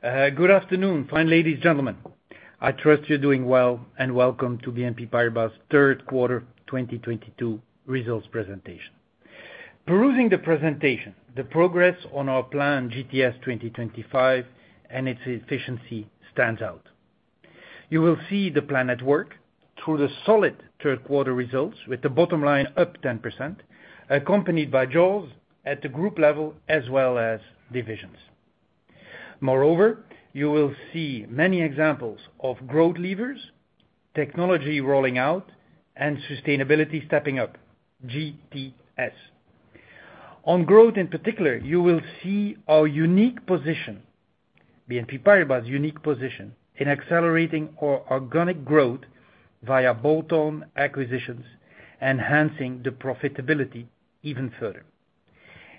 Good afternoon, fine ladies, gentlemen. I trust you're doing well, and welcome to BNP Paribas' 3rd quarter 2022 results presentation. Perusing the presentation, the progress on our plan GTS 2025 and its efficiency stands out. You will see the plan at work through the solid 3rd quarter results with the bottom line up 10%, accompanied by jaws at the group level, as well as divisions. Moreover, you will see many examples of growth levers, technology rolling out, and sustainability stepping up, GTS. On growth, in particular, you will see our unique position, BNP Paribas' unique position in accelerating our organic growth via bolt-on acquisitions, enhancing the profitability even further.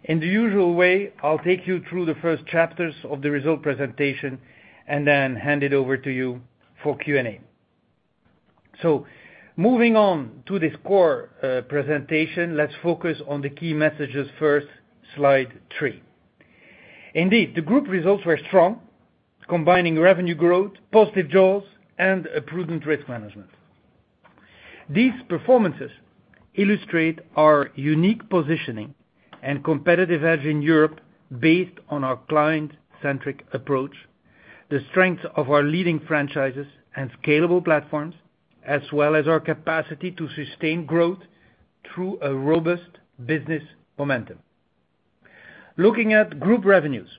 In the usual way, I'll take you through the first chapters of the result presentation and then hand it over to you for Q&A. Moving on to this core presentation, let's focus on the key messages first, Slide 3. Indeed, the group results were strong, combining revenue growth, positive jaws, and a prudent risk management. These performances illustrate our unique positioning and competitive edge in Europe based on our client-centric approach, the strength of our leading franchises and scalable platforms, as well as our capacity to sustain growth through a robust business momentum. Looking at group revenues,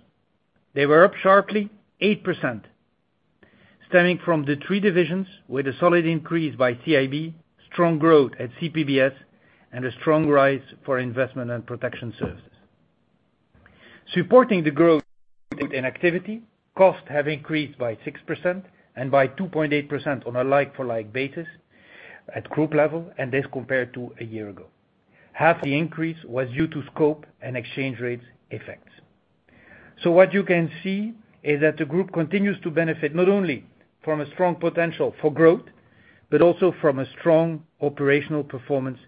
they were up sharply 8%, stemming from the three divisions with a solid increase by CIB, strong growth at CPBS, and a strong rise for investment and protection services. Supporting the growth in activity, costs have increased by 6% and by 2.8% on a like-for-like basis at group level, and this compared to a year ago. Half the increase was due to scope and exchange rates effects. What you can see is that the group continues to benefit not only from a strong potential for growth, but also from a strong operational performance,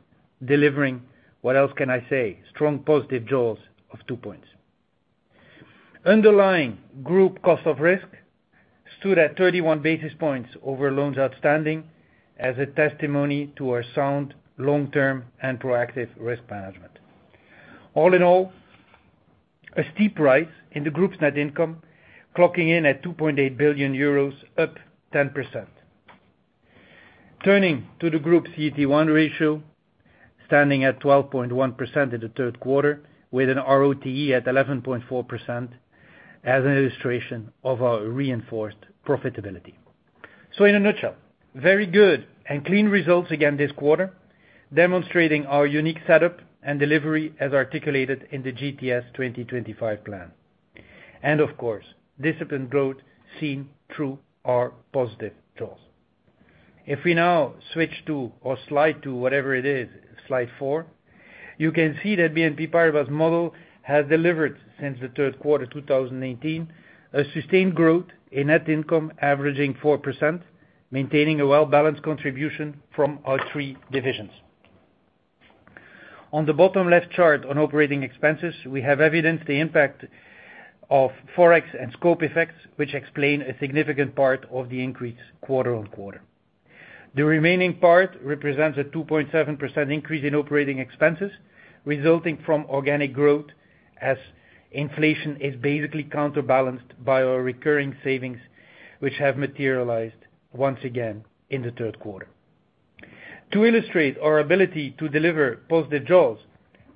delivering, what else can I say, strong positive jaws of 2 points. Underlying group cost of risk stood at 31 basis points over loans outstanding as a testimony to our sound long-term and proactive risk management. All in all, a steep rise in the group's net income, clocking in at 2.8 billion euros, up 10%. Turning to the group CET1 ratio, standing at 12.1% in the 3rd quarter with an ROTE at 11.4% as an illustration of our reinforced profitability. In a nutshell, very good and clean results again this quarter, demonstrating our unique setup and delivery as articulated in the GTS 2025 plan. Of course, disciplined growth seen through our positive jaws. If we now switch to Slide 4, you can see that BNP Paribas' model has delivered since the 3rd quarter 2018, a sustained growth in net income averaging 4%, maintaining a well-balanced contribution from our three divisions. On the bottom left chart on operating expenses, we have evidenced the impact of Forex and scope effects, which explain a significant part of the increase quarter-on-quarter. The remaining part represents a 2.7% increase in operating expenses resulting from organic growth as inflation is basically counterbalanced by our recurring savings, which have materialized once again in the 3rd quarter. To illustrate our ability to deliver positive jaws,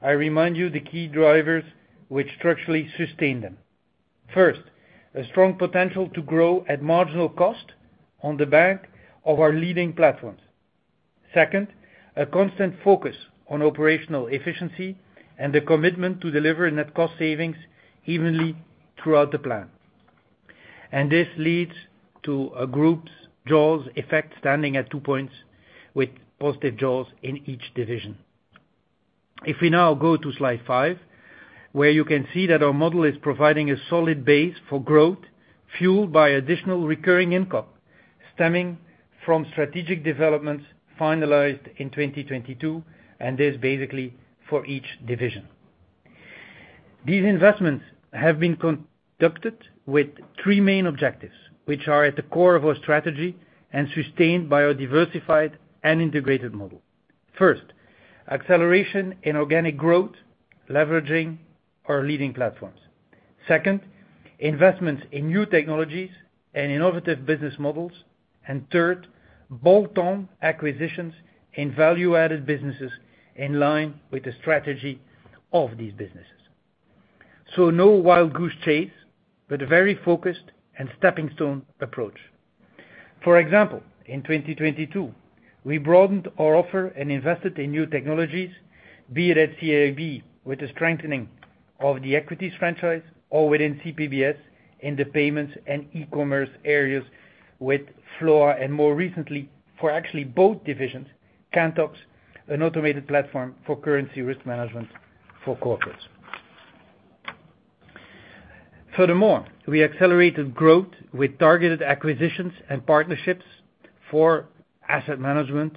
I remind you the key drivers which structurally sustain them. First, a strong potential to grow at marginal cost on the back of our leading platforms. Second, a constant focus on operational efficiency and the commitment to deliver net cost savings evenly throughout the plan. This leads to a group's jaws effect standing at 2 points with positive jaws in each division. If we now go to Slide 5, where you can see that our model is providing a solid base for growth, fueled by additional recurring income stemming from strategic developments finalized in 2022, and is basically for each division. These investments have been conducted with 3 main objectives, which are at the core of our strategy and sustained by our diversified and integrated model. First, acceleration in organic growth, leveraging our leading platforms. Second, investments in new technologies and innovative business models. Third, bolt-on acquisitions in value-added businesses in line with the strategy of these businesses. No wild goose chase, but a very focused and stepping stone approach. For example, in 2022, we broadened our offer and invested in new technologies, be it at CIB with the strengthening of the equities franchise or within CPBS in the payments and e-commerce areas with FLOA, and more recently for actually both divisions, Kantox, an automated platform for currency risk management for corporates. Furthermore, we accelerated growth with targeted acquisitions and partnerships for asset management,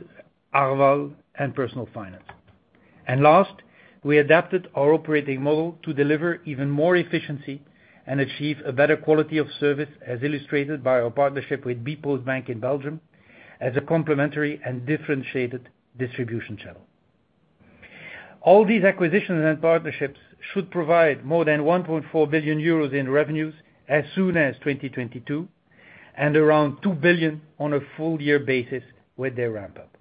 Arval, and personal finance. Last, we adapted our operating model to deliver even more efficiency and achieve a better quality of service, as illustrated by our partnership with bpost bank in Belgium as a complementary and differentiated distribution channel. All these acquisitions and partnerships should provide more than 1.4 billion euros in revenues as soon as 2022, and around 2 billion on a full year basis with their ramp up.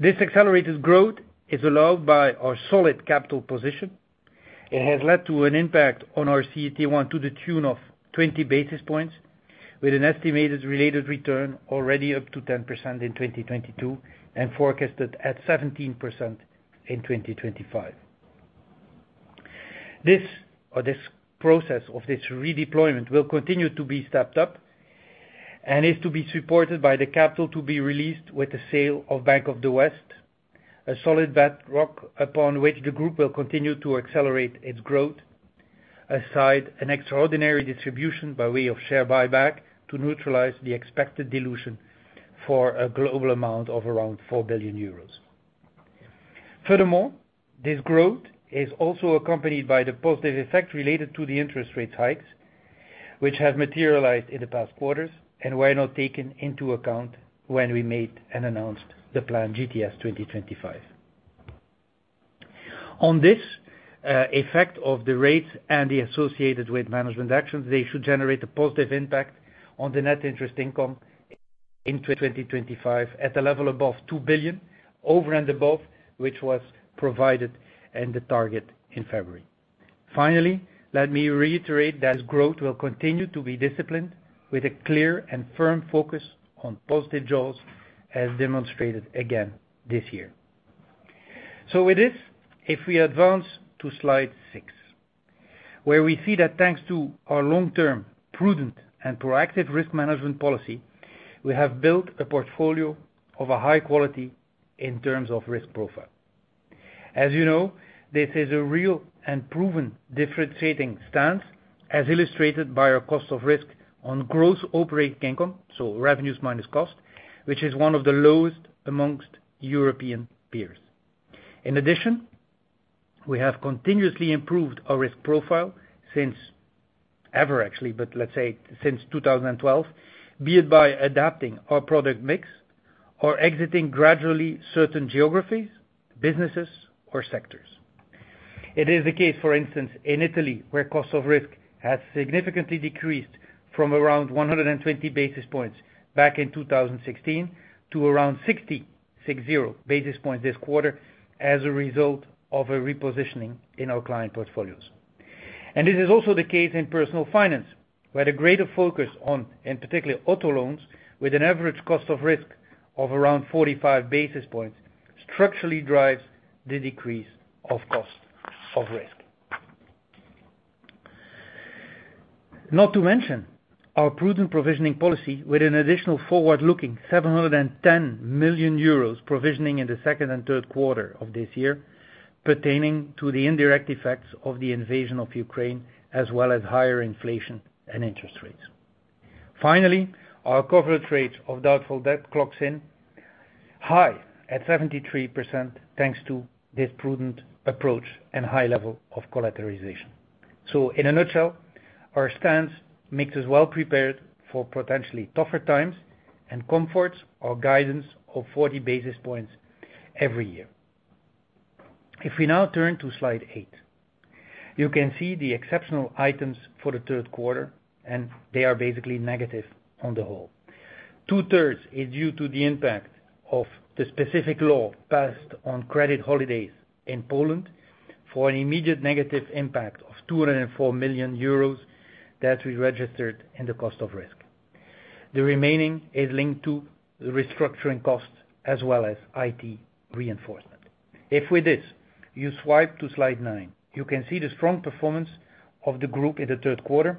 This accelerated growth is allowed by our solid capital position. It has led to an impact on our CET1 to the tune of 20 basis points, with an estimated related return already up to 10% in 2022 and forecasted at 17% in 2025. This process of redeployment will continue to be stepped up and is to be supported by the capital to be released with the sale of Bank of the West, a solid bedrock upon which the group will continue to accelerate its growth, alongside an extraordinary distribution by way of share buyback to neutralize the expected dilution for a global amount of around 4 billion euros. Furthermore, this growth is also accompanied by the positive effect related to the interest rate hikes, which have materialized in the past quarters and were not taken into account when we made and announced the plan GTS 2025. On this effect of the rates and the associated management actions, they should generate a positive impact on the net interest income in 2025 at a level 2 billion over and above which was provided as the target in February. Finally, let me reiterate that growth will continue to be disciplined with a clear and firm focus on positive jaws as demonstrated again this year. With this, if we advance to Slide 6, where we see that thanks to our long-term prudent and proactive risk management policy, we have built a portfolio of high quality in terms of risk profile. As you know, this is a real and proven differentiating stance, as illustrated by our cost of risk on gross operating income, so revenues minus cost, which is one of the lowest amongst European peers. In addition, we have continuously improved our risk profile since, ever actually, but let's say since 2012, be it by adapting our product mix or exiting gradually certain geographies, businesses or sectors. It is the case, for instance, in Italy, where cost of risk has significantly decreased from around 120 basis points back in 2016 to around 60 basis points this quarter as a result of a repositioning in our client portfolios. This is also the case in Personal Finance, where the greater focus on, in particular, auto loans, with an average cost of risk of around 45 basis points, structurally drives the decrease of cost of risk. Not to mention our prudent provisioning policy with an additional forward-looking 710 million euros provisioning in the second and 3rd quarter of this year pertaining to the indirect effects of the invasion of Ukraine, as well as higher inflation and interest rates. Finally, our coverage rate of doubtful debt clocks in high at 73%, thanks to this prudent approach and high level of collateralization. In a nutshell, our stance makes us well prepared for potentially tougher times and comforts our guidance of 40 basis points every year. If we now turn to Slide 8, you can see the exceptional items for the 3rd quarter, and they are basically negative on the whole. Two-thirds is due to the impact of the specific law passed on credit holidays in Poland for an immediate negative impact of 204 million euros that we registered in the cost of risk. The remaining is linked to the restructuring cost as well as IT reinforcement. With this, you swipe to Slide 9, you can see the strong performance of the group in the 3rd quarter,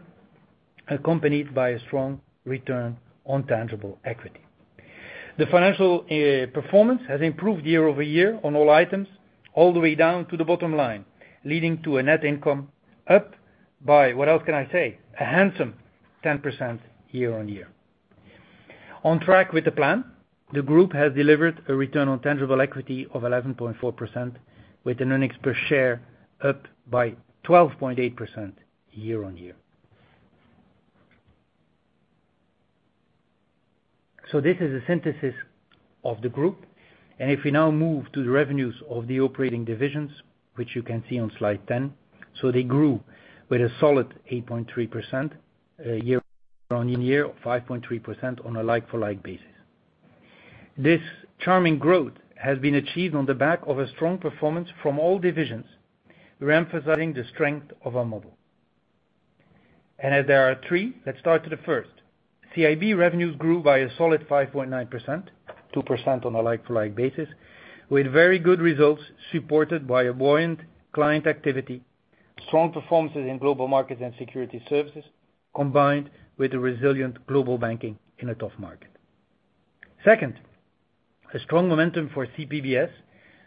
accompanied by a strong return on tangible equity. The financial performance has improved year-over-year on all items, all the way down to the bottom line, leading to a net income up by, what else can I say, a handsome 10% year-on-year. On track with the plan, the group has delivered a return on tangible equity of 11.4%, with an earnings per share up by 12.8% year-on-year. This is a synthesis of the group. If we now move to the revenues of the operating divisions, which you can see on Slide 10. They grew with a solid 8.3% year-on-year, 5.3% on a like-for-like basis. This charming growth has been achieved on the back of a strong performance from all divisions, re-emphasizing the strength of our model. As there are three, let's start to the first. CIB revenues grew by a solid 5.9%, 2% on a like-for-like basis, with very good results supported by a buoyant client activity, strong performances in Global Markets and Securities Services, combined with a resilient Global Banking in a tough market. Second, a strong momentum for CPBS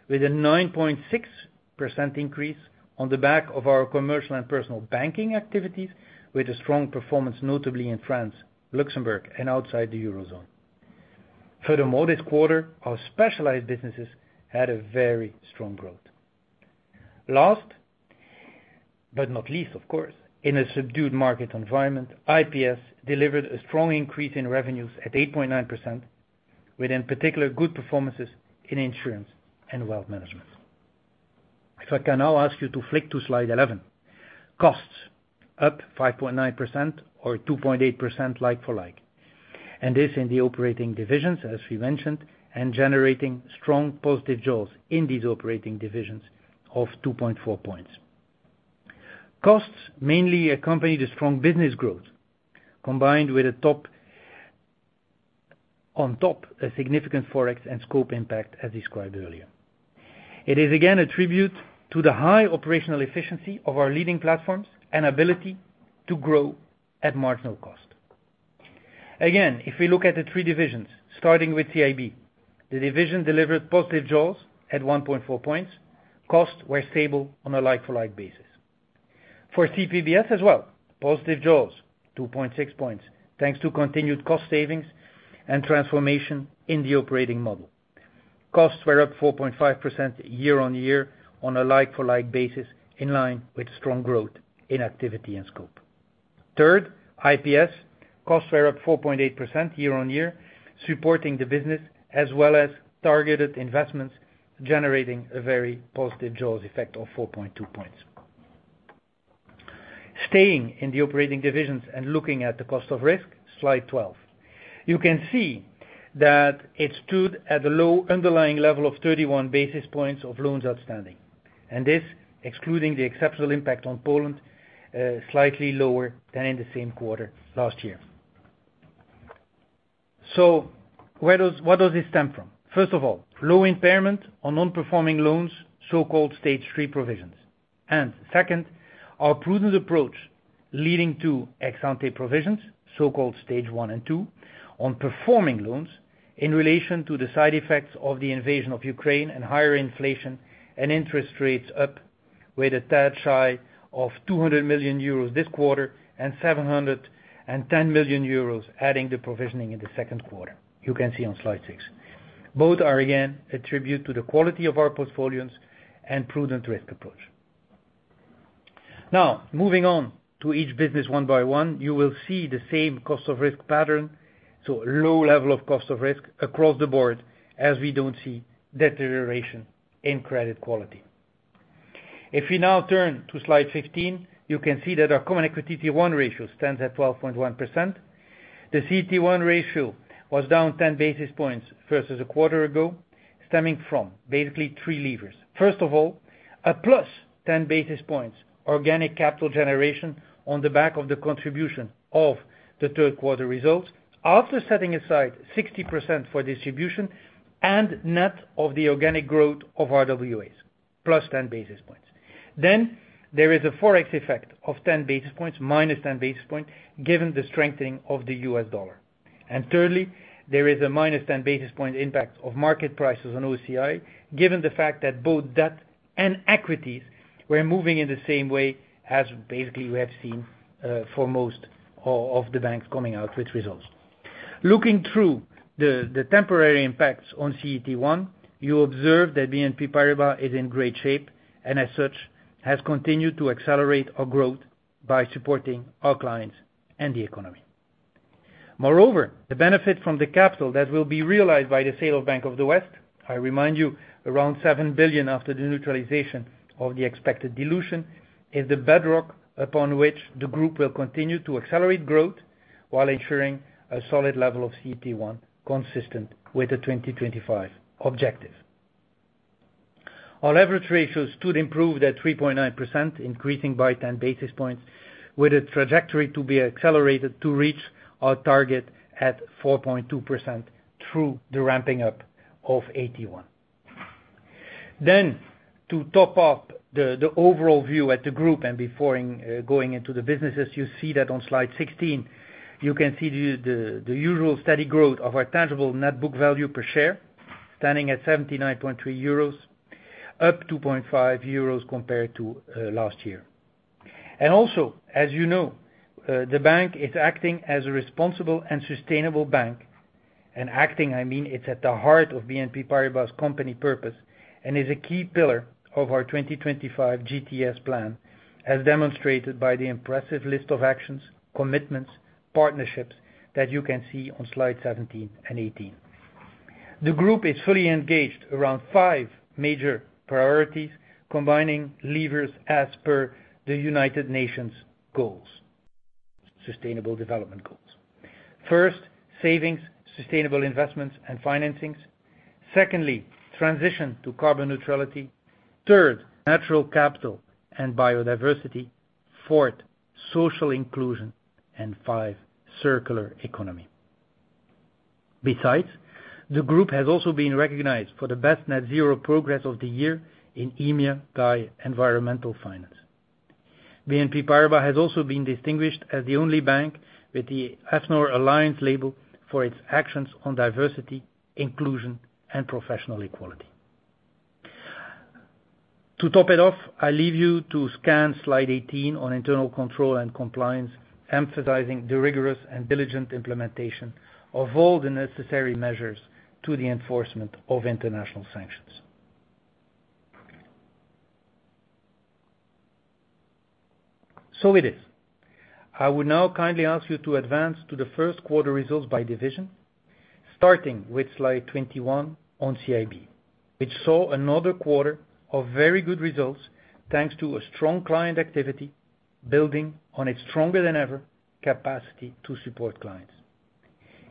with a 9.6% increase on the back of our commercial and personal banking activities, with a strong performance, notably in France, Luxembourg, and outside the eurozone. Furthermore, this quarter, our specialized businesses had a very strong growth. Last, but not least, of course, in a subdued market environment, IPS delivered a strong increase in revenues at 8.9%, with in particular good performances in insurance and wealth management. If I can now ask you to flick to Slide 11. Costs up 5.9% or 2.8% like-for-like, and this in the operating divisions, as we mentioned, and generating strong positive jaws in these operating divisions of 2.4 points. Costs mainly accompany the strong business growth, combined with on top, a significant Forex and scope impact, as described earlier. It is again a tribute to the high operational efficiency of our leading platforms and ability to grow at marginal cost. Again, if we look at the three divisions, starting with CIB, the division delivered positive jaws at 1.4 points. Costs were stable on a like-for-like basis. For CPBS as well, positive jaws, 2.6 points, thanks to continued cost savings and transformation in the operating model. Costs were up 4.5% year-on-year on a like-for-like basis, in line with strong growth in activity and scope. Third, IPS costs were up 4.8% year-on-year, supporting the business as well as targeted investments, generating a very positive jaws effect of 4.2 points. Staying in the operating divisions and looking at the cost of risk, Slide 12. You can see that it stood at a low underlying level of 31 basis points of loans outstanding, and this excluding the exceptional impact on Poland, slightly lower than in the same quarter last year. Where does this stem from? First of all, low impairment on non-performing loans, so-called Stage 3 provisions. Second, our prudent approach leading to ex ante provisions, so-called Stage 1 and 2 on performing loans in relation to the side effects of the invasion of Ukraine and higher inflation and interest rates up with a touch high of 200 million euros this quarter and 710 million euros, adding the provisioning in the 2nd quarter. You can see on Slide 6. Both are again attributed to the quality of our portfolios and prudent risk approach. Now, moving on to each business one by one, you will see the same cost of risk pattern, so a low level of cost of risk across the board as we don't see deterioration in credit quality. If we now turn to Slide 15, you can see that our Common Equity Tier 1 ratio stands at 12.1%. The CET1 ratio was down 10 basis points versus a quarter ago, stemming from basically three levers. First of all, a plus 10 basis points organic capital generation on the back of the contribution of the 3rd quarter results. After setting aside 60% for distribution and net of the organic growth of RWAs, plus 10 basis points. Then there is a Forex effect of 10 basis points, minus 10 basis points, given the strengthening of the U.S. dollar. Thirdly, there is a minus 10 basis point impact of market prices on OCI, given the fact that both debt and equities were moving in the same way as basically we have seen for most of the banks coming out with results. Looking through the temporary impacts on CET1, you observe that BNP Paribas is in great shape, and as such, has continued to accelerate our growth by supporting our clients and the economy. Moreover, the benefit from the capital that will be realized by the sale of Bank of the West, I remind you, around 7 billion after the neutralization of the expected dilution, is the bedrock upon which the group will continue to accelerate growth while ensuring a solid level of CET1 consistent with the 2025 objective. Our leverage ratio stood improved at 3.9%, increasing by 10 basis points, with a trajectory to be accelerated to reach our target at 4.2% through the ramping up of AT1. To top up the overall view at the group and before going into the businesses, you see that on Slide 16, you can see the usual steady growth of our tangible net book value per share, standing at 79.3 euros, up 2.5 euros compared to last year. Also, as you know, the bank is acting as a responsible and sustainable bank. Acting, I mean, it's at the heart of BNP Paribas' company purpose and is a key pillar of our 2025 GTS plan, as demonstrated by the impressive list of actions, commitments, partnerships that you can see on Slide 17 and 18. The group is fully engaged around five major priorities, combining levers as per the United Nations goals, Sustainable Development Goals. First, savings, sustainable investments, and financings. Secondly, transition to carbon neutrality. Third, natural capital and biodiversity. Fourth, social inclusion. Five, circular economy. Besides, the group has also been recognized for the best net zero progress of the year in EMEA by Environmental Finance. BNP Paribas has also been distinguished as the only bank with the Alliance Label for its actions on diversity, inclusion, and professional equality. To top it off, I leave you to scan Slide 18 on internal control and compliance, emphasizing the rigorous and diligent implementation of all the necessary measures to the enforcement of international sanctions. It is. I will now kindly ask you to advance to the first quarter results by division, starting with Slide 21 on CIB, which saw another quarter of very good results, thanks to a strong client activity, building on its stronger-than-ever capacity to support clients.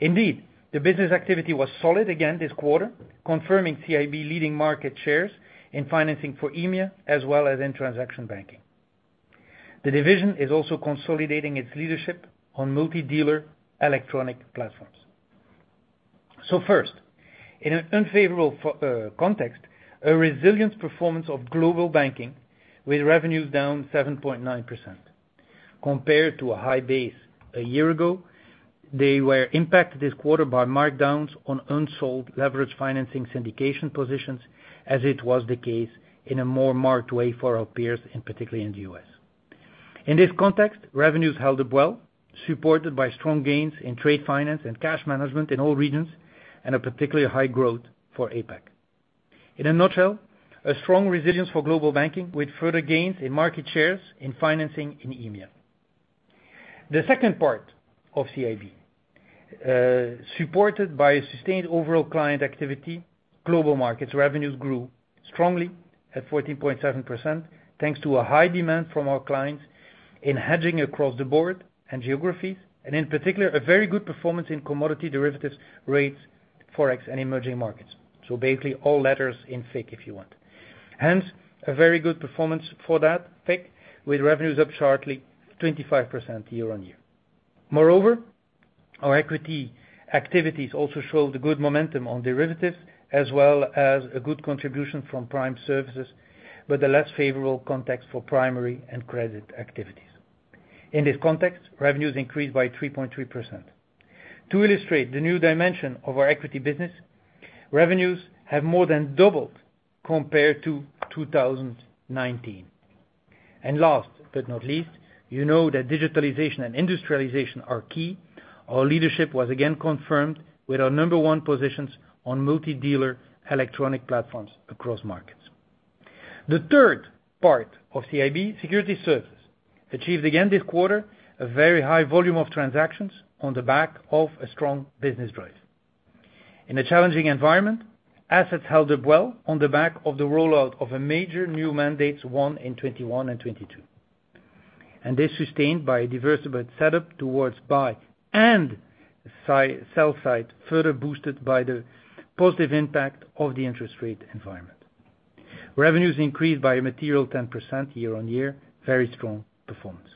Indeed, the business activity was solid again this quarter, confirming CIB leading market shares in financing for EMEA, as well as in transaction banking. The division is also consolidating its leadership on multi-dealer electronic platforms. In an unfavorable context, a resilient performance of global banking with revenues down 7.9% compared to a high base a year ago. They were impacted this quarter by markdowns on unsold leveraged financing syndication positions, as it was the case in a more marked way for our peers, and particularly in the U.S. In this context, revenues held up well, supported by strong gains in trade finance and cash management in all regions, and a particularly high growth for APAC. In a nutshell, a strong resilience for global banking with further gains in market shares in financing in EMEA. The second part of CIB, supported by a sustained overall client activity, global markets revenues grew strongly at 14.7%, thanks to a high demand from our clients in hedging across the board and geographies, and in particular, a very good performance in commodity derivatives, rates, Forex and emerging markets. Basically all letters in FICC, if you want. Hence, a very good performance for that FICC, with revenues up sharply 25% year-on-year. Moreover, our equity activities also showed a good momentum on derivatives, as well as a good contribution from prime services, with a less favorable context for primary and credit activities. In this context, revenues increased by 3.3%. To illustrate the new dimension of our equity business, revenues have more than doubled compared to 2019. Last but not least, you know that digitalization and industrialization are key. Our leadership was again confirmed with our number one positions on multi-dealer electronic platforms across markets. The third part of CIB Securities Services achieved again this quarter a very high volume of transactions on the back of a strong business drive. In a challenging environment, assets held up well on the back of the rollout of a major new mandates, one in 2021 and 2022. They sustained by a diversified setup towards buy and sell side, further boosted by the positive impact of the interest rate environment. Revenues increased by a material 10% year-on-year. Very strong performance.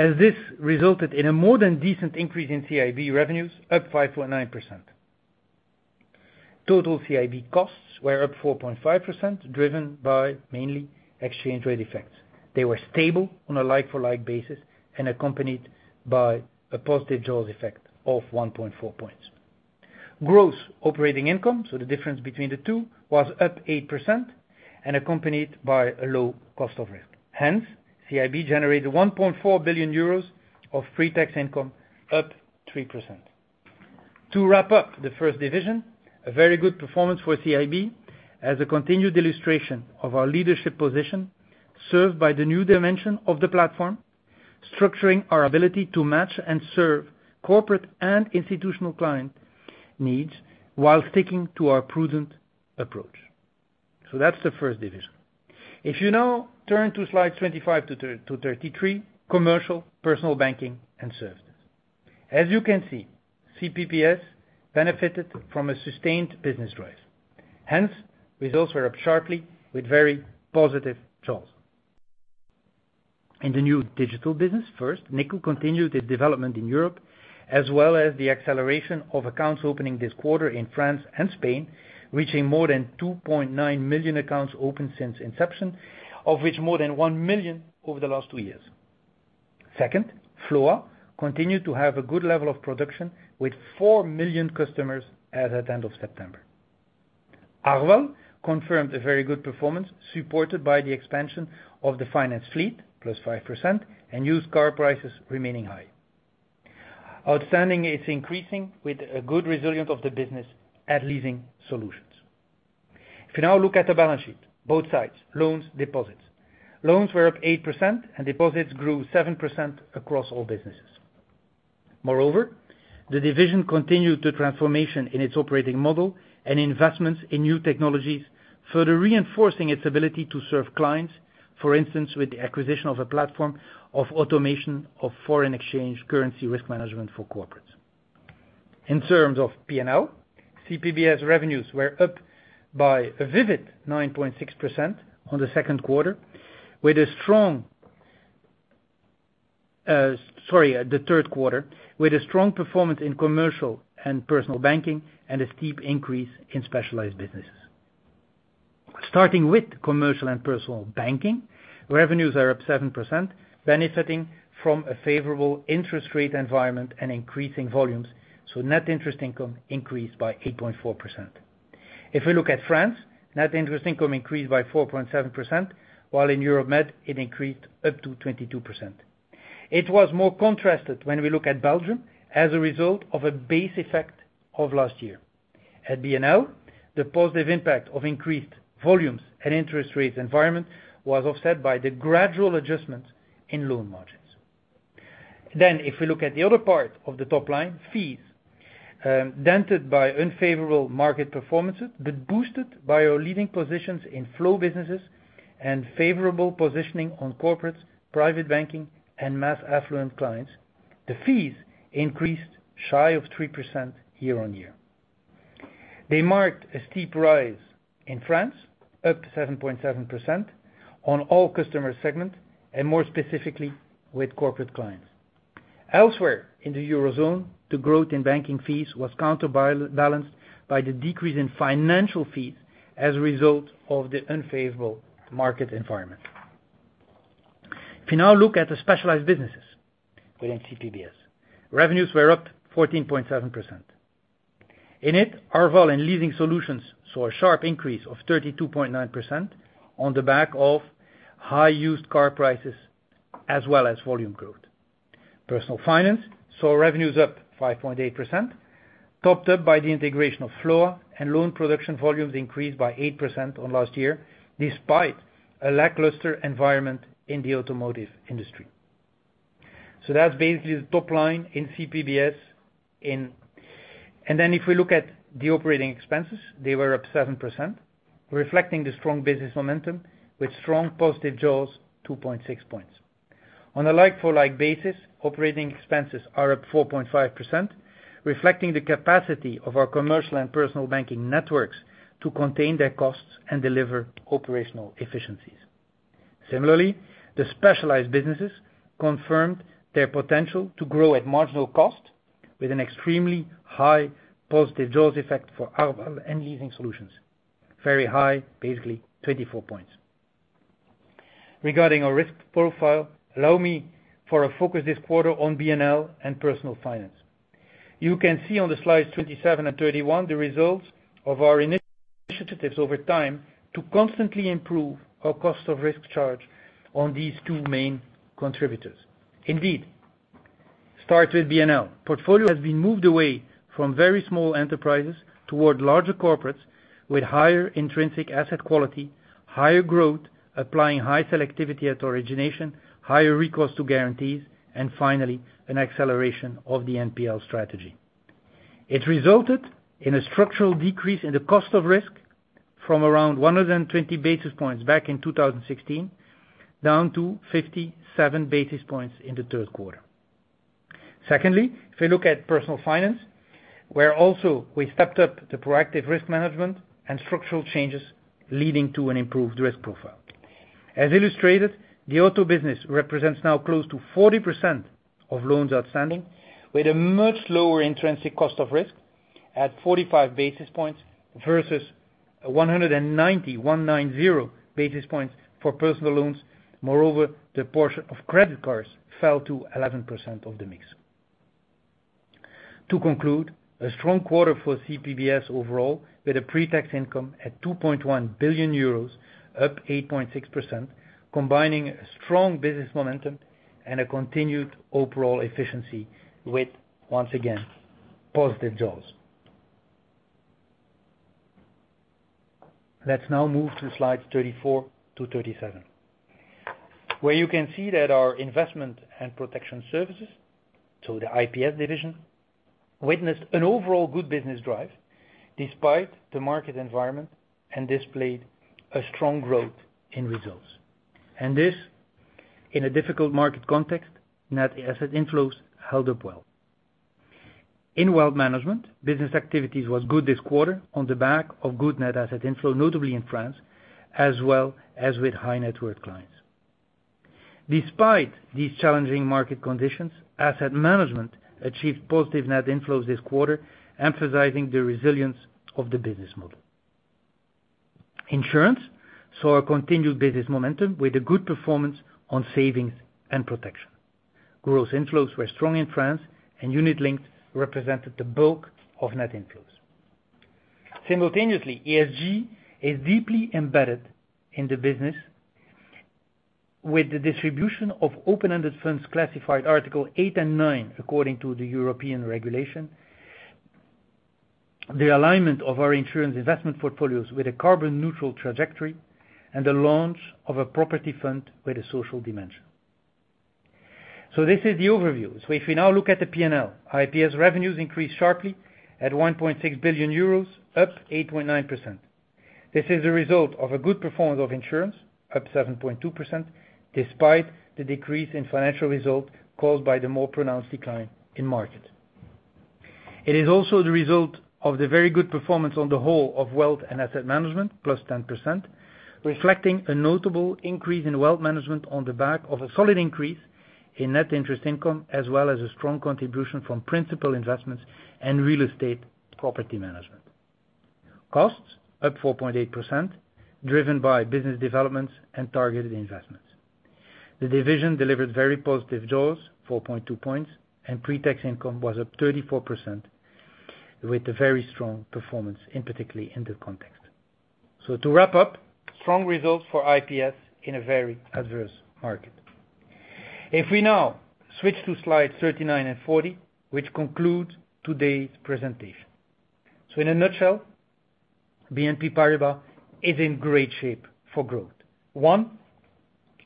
As this resulted in a more than decent increase in CIB revenues, up 5.9%. Total CIB costs were up 4.5%, driven by mainly exchange rate effects. They were stable on a like-for-like basis and accompanied by a positive jaws effect of 1.4 points. Gross operating income, so the difference between the 2, was up 8% and accompanied by a low cost of risk. Hence, CIB generated 1.4 billion euros of pre-tax income, up 3%. To wrap up the first division, a very good performance for CIB as a continued illustration of our leadership position, served by the new dimension of the platform, structuring our ability to match and serve corporate and institutional client needs while sticking to our prudent approach. That's the first division. If you now turn to Slide 25 to 33, Commercial, Personal Banking & Services. As you can see, CPBS benefited from a sustained business drive. Hence, results were up sharply with very positive jaws. In the new digital business, first, Nickel continued its development in Europe, as well as the acceleration of accounts opening this quarter in France and Spain, reaching more than 2.9 million accounts open since inception, of which more than 1 million over the last two years. Second, FLOA continued to have a good level of production with 4 million customers as at end of September. Arval confirmed a very good performance supported by the expansion of the finance fleet, +5%, and used car prices remaining high. Outstanding, it's increasing with a good resilience of the business at Leasing Solutions. If you now look at the balance sheet, both sides, loans, deposits. Loans were up 8% and deposits grew 7% across all businesses. Moreover, the division continued the transformation in its operating model and investments in new technologies, further reinforcing its ability to serve clients, for instance, with the acquisition of a platform of automation of foreign exchange currency risk management for corporates. In terms of P&L, CPBS revenues were up by a solid 9.6% in the 3rd quarter, with a strong performance in commercial and personal banking and a steep increase in specialized businesses. Starting with commercial and personal banking, revenues are up 7%, benefiting from a favorable interest rate environment and increasing volumes, so net interest income increased by 8.4%. If we look at France, net interest income increased by 4.7%, while in Europe-Mediterranean it increased up to 22%. It was more contrasted when we look at Belgium as a result of a base effect of last year. At BNL, the positive impact of increased volumes and interest rates environment was offset by the gradual adjustments in loan margins. If we look at the other part of the top line, fees, dented by unfavorable market performances, but boosted by our leading positions in flow businesses and favorable positioning on corporates, private banking, and mass affluent clients. The fees increased shy of 3% year-on-year. They marked a steep rise in France up to 7.7% on all customer segments, and more specifically with corporate clients. Elsewhere in the Eurozone, the growth in banking fees was counterbalanced by the decrease in financial fees as a result of the unfavorable market environment. If you now look at the specialized businesses within CPBS, revenues were up 14.7%. In it, Arval and Leasing Solutions saw a sharp increase of 32.9% on the back of high used car prices as well as volume growth. Personal Finance saw revenues up 5.8%, topped up by the integration of FLOA and loan production volumes increased by 8% on last year, despite a lackluster environment in the automotive industry. That's basically the top line in CPBS. If we look at the operating expenses, they were up 7%, reflecting the strong business momentum with strong positive jaws, 2.6 points. On a like-for-like basis, operating expenses are up 4.5%, reflecting the capacity of our commercial and personal banking networks to contain their costs and deliver operational efficiencies. Similarly, the specialized businesses confirmed their potential to grow at marginal cost with an extremely high positive jaws effect for Arval and Leasing Solutions. Very high, basically 24 points. Regarding our risk profile, allow me to focus this quarter on BNL and Personal Finance. You can see on the Slides 27 and 31 the results of our initiatives over time to constantly improve our cost of risk charge on these two main contributors. Indeed, start with BNL. Portfolio has been moved away from very small enterprises toward larger corporates with higher intrinsic asset quality, higher growth, applying high selectivity at origination, higher recourse to guarantees, and finally, an acceleration of the NPL strategy. It resulted in a structural decrease in the cost of risk from around 120 basis points back in 2016, down to 57 basis points in the 3rd quarter. Secondly, if you look at Personal Finance, where also we stepped up the proactive risk management and structural changes leading to an improved risk profile. As illustrated, the auto business represents now close to 40% of loans outstanding, with a much lower intrinsic cost of risk at 45 basis points versus 190 basis points for personal loans. Moreover, the portion of credit cards fell to 11% of the mix. To conclude, a strong quarter for CPBS overall, with a pre-tax income at 2.1 billion euros, up 8.6%, combining strong business momentum and a continued overall efficiency with, once again, positive jaws. Let's now move to Slides 34-37, where you can see that our investment and protection services, so the IPS division, witnessed an overall good business drive despite the market environment and displayed a strong growth in results. This, in a difficult market context, net asset inflows held up well. In wealth management, business activities was good this quarter on the back of good net asset inflow, notably in France, as well as with high net worth clients. Despite these challenging market conditions, asset management achieved positive net inflows this quarter, emphasizing the resilience of the business model. Insurance saw a continued business momentum with a good performance on savings and protection. Gross inflows were strong in France, and unit-linked represented the bulk of net inflows. Simultaneously, ESG is deeply embedded in the business with the distribution of open-ended funds classified Article 8 and 9 according to the European regulation, the alignment of our insurance investment portfolios with a carbon neutral trajectory and the launch of a property fund with a social dimension. This is the overview. If we now look at the P&L, IPS revenues increased sharply at 1.6 billion euros, up 8.9%. This is a result of a good performance of insurance, up 7.2%, despite the decrease in financial results caused by the more pronounced decline in market. It is also the result of the very good performance on the whole of wealth and asset management, +10%, reflecting a notable increase in wealth management on the back of a solid increase in net interest income, as well as a strong contribution from principal investments and real estate property management. Costs up 4.8%, driven by business developments and targeted investments. The division delivered very positive jaws, 4.2 points, and pre-tax income was up 34% with a very strong performance particularly in the context. To wrap up, strong results for IPS in a very adverse market. If we now switch to Slide 39 and 40, which concludes today's presentation. In a nutshell, BNP Paribas is in great shape for growth. One,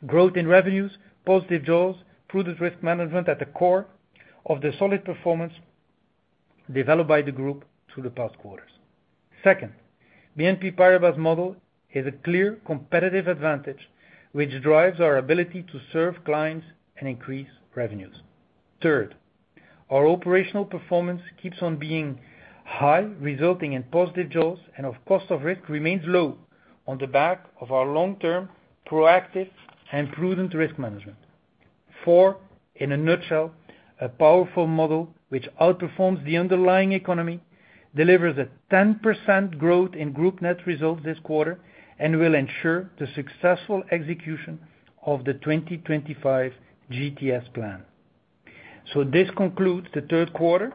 growth in revenues, positive jaws, prudent risk management at the core of the solid performance developed by the group through the past quarters. Second, BNP Paribas model is a clear competitive advantage, which drives our ability to serve clients and increase revenues. Third, our operational performance keeps on being high, resulting in positive jaws and our cost of risk remains low on the back of our long-term proactive and prudent risk management. Four, in a nutshell, a powerful model which outperforms the underlying economy, delivers a 10% growth in group net results this quarter, and will ensure the successful execution of the 2025 GTS plan. This concludes the 3rd quarter.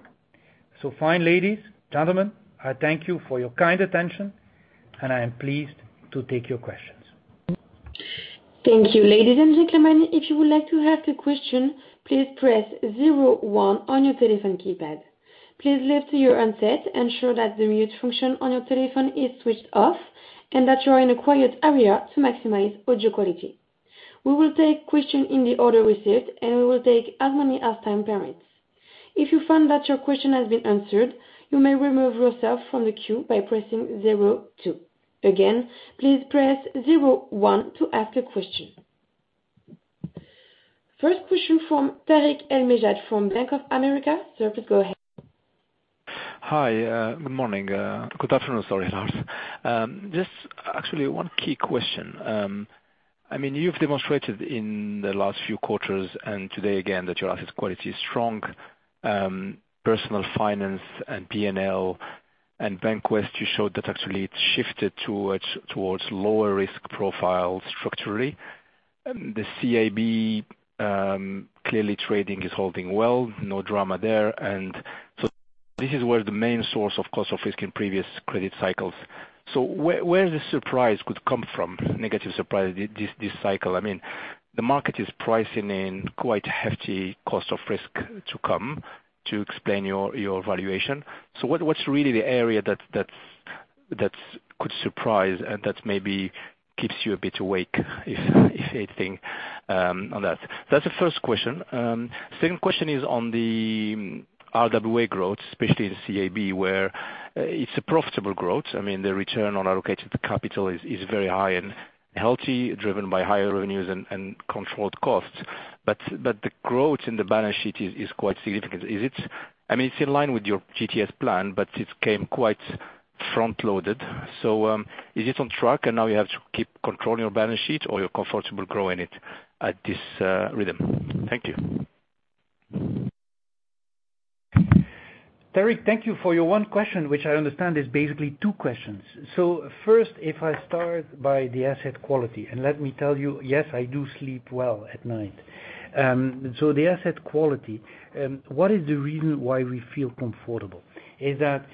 Fine ladies, gentlemen, I thank you for your kind attention, and I am pleased to take your questions. Thank you. Ladies and gentlemen, if you would like to ask a question, please press zero 1 on your telephone keypad. Please lift your handset, ensure that the mute function on your telephone is switched off, and that you are in a quiet area to maximize audio quality. We will take questions in the order received, and we will take as many as time permits. If you find that your question has been answered, you may remove yourself from the queue by pressing zero 2. Again, please press zero 1 to ask a question. First question from Tarik El Mejjad from Bank of America. Sir, please go ahead. Hi, good morning. Good afternoon. Sorry, Lars. Just actually one key question. I mean, you've demonstrated in the last few quarters and today again that your asset quality is strong. Personal finance and P&L and Bank of the West, you showed that actually it shifted towards lower risk profile structurally. The CIB, clearly trading is holding well, no drama there. This is where the main source of cost of risk in previous credit cycles. Where the surprise could come from, negative surprise this cycle? I mean, the market is pricing in quite hefty cost of risk to come to explain your valuation. What's really the area that could surprise and that maybe keeps you a bit awake, if anything, on that? That's the first question. Second question is on the RWA growth, especially in CIB, where it's a profitable growth. I mean, the return on allocated capital is very high and healthy, driven by higher revenues and controlled costs. But the growth in the balance sheet is quite significant. I mean, it's in line with your GTS plan, but it came quite front-loaded. Is it on track and now you have to keep controlling your balance sheet or you're comfortable growing it at this rhythm? Thank you. Tarik, thank you for your 1 question, which I understand is basically 2 questions. First, if I start by the asset quality, and let me tell you, yes, I do sleep well at night. The asset quality, what is the reason why we feel comfortable is that,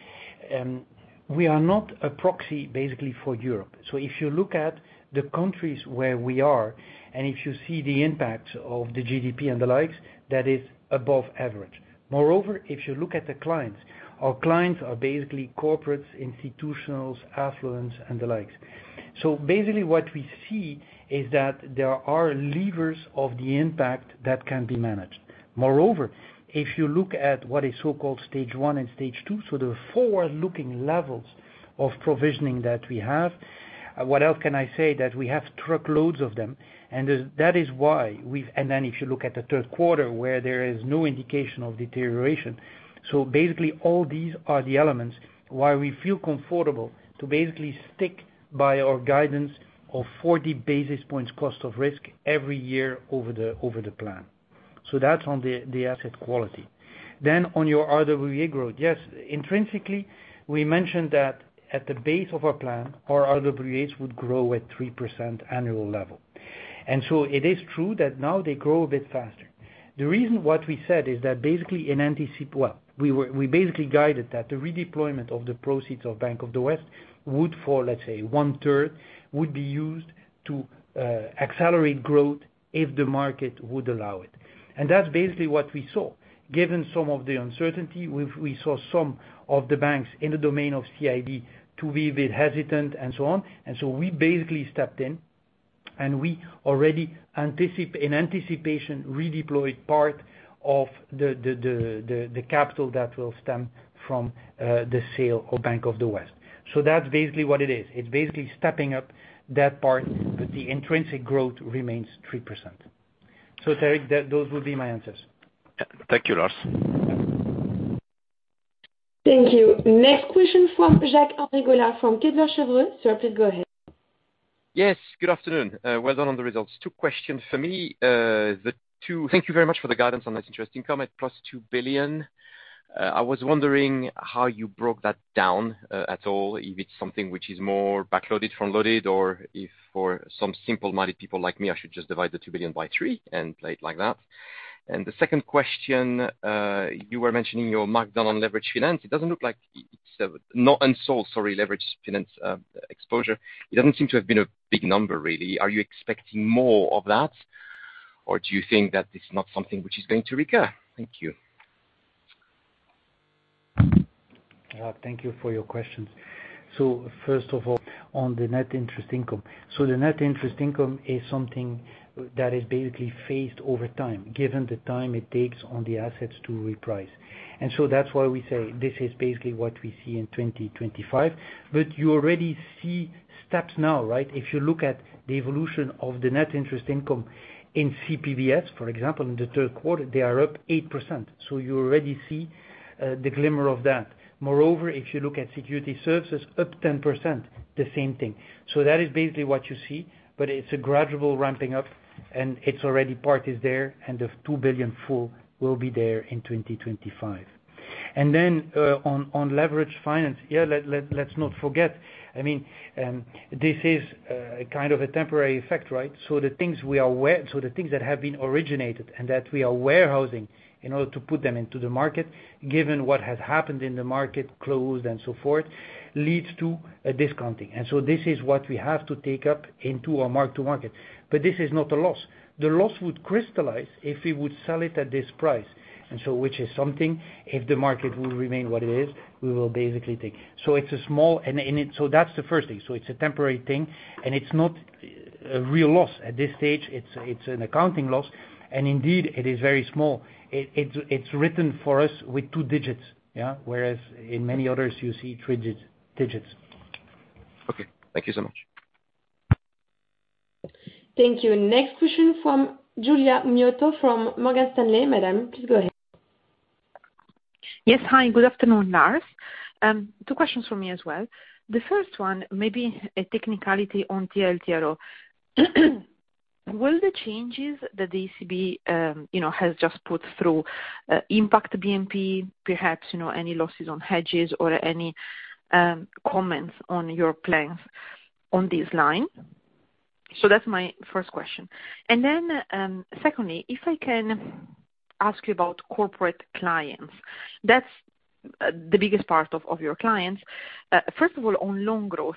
we are not a proxy basically for Europe. If you look at the countries where we are and if you see the impact of the GDP and the likes, that is above average. Moreover, if you look at the clients, our clients are basically corporates, institutionals, affluents, and the likes. Basically what we see is that there are levers of the impact that can be managed. Moreover, if you look at what is so-called Stage 1 and Stage 2, the forward-looking levels of provisioning that we have, what else can I say? That we have truckloads of them, and that is why we've. Then if you look at the 3rd quarter where there is no indication of deterioration. Basically all these are the elements why we feel comfortable to basically stick by our guidance of 40 basis points cost of risk every year over the plan. That's on the asset quality. On your RWA growth. Yes, intrinsically, we mentioned that at the base of our plan, our RWAs would grow at 3% annual level. It is true that now they grow a bit faster. The reason we said is that basically we anticipate we basically guided that the redeployment of the proceeds of Bank of the West would fall, let's say one-third, would be used to accelerate growth if the market would allow it. That's basically what we saw. Given some of the uncertainty, we saw some of the banks in the domain of CIB to be a bit hesitant and so on. We basically stepped in, and we already in anticipation redeployed part of the capital that will stem from the sale of Bank of the West. That's basically what it is. It's basically stepping up that part, but the intrinsic growth remains 3%. Tarik, those would be my answers. Thank you, Lars. Thank you. Next question from Jacques-Henri Gaulard from Kepler Cheuvreux. Sir, please go ahead. Yes, good afternoon. Well done on the results. 2 questions for me. Thank you very much for the guidance on this interesting increment, 2 billion. i was wondering how you broke that down, at all, if it's something which is more backloaded, front-loaded, or if for some simple-minded people like me, I should just divide 2 billion by three and play it like that. The second question, you were mentioning your mark down on leveraged financing. It doesn't look like it's leveraged financing exposure. It doesn't seem to have been a big number, really. Are you expecting more of that, or do you think that it's not something which is going to recur? Thank you. Thank you for your questions. First of all, on the net interest income. The net interest income is something that is basically phased over time, given the time it takes on the assets to reprice. That's why we say this is basically what we see in 2025. You already see steps now, right? If you look at the evolution of the net interest income in CPBS, for example, in the 3rd quarter, they are up 8%. You already see the glimmer of that. Moreover, if you look at Securities Services, up 10%, the same thing. That is basically what you see, but it's a gradual ramping up, and it's already part is there, and the 2 billion full will be there in 2025. On leveraged financing. Yeah, let's not forget, I mean, this is kind of a temporary effect, right? The things that have been originated and that we are warehousing in order to put them into the market, given what has happened in the market, closed and so forth, leads to a discounting. This is what we have to take up into our mark to market. This is not a loss. The loss would crystallize if we would sell it at this price. Which is something, if the market will remain what it is, we will basically take. That's the first thing. It's a temporary thing, and it's not a real loss. At this stage, it's an accounting loss, and indeed, it is very small. It's written for us with 2 digits, yeah, whereas in many others you see 3 digits. Okay. Thank you so much. Thank you. Next question from Giulia Miotto from Morgan Stanley. Madame, please go ahead. Yes. Hi, good afternoon, Lars. Two questions from me as well. The first one, maybe a technicality on TLTRO. Will the changes that the ECB you know has just put through impact BNP, perhaps you know any losses on hedges or any comments on your plans on this line? That's my first question. Secondly, if I can ask you about corporate clients. That's the biggest part of your clients. First of all, on loan growth,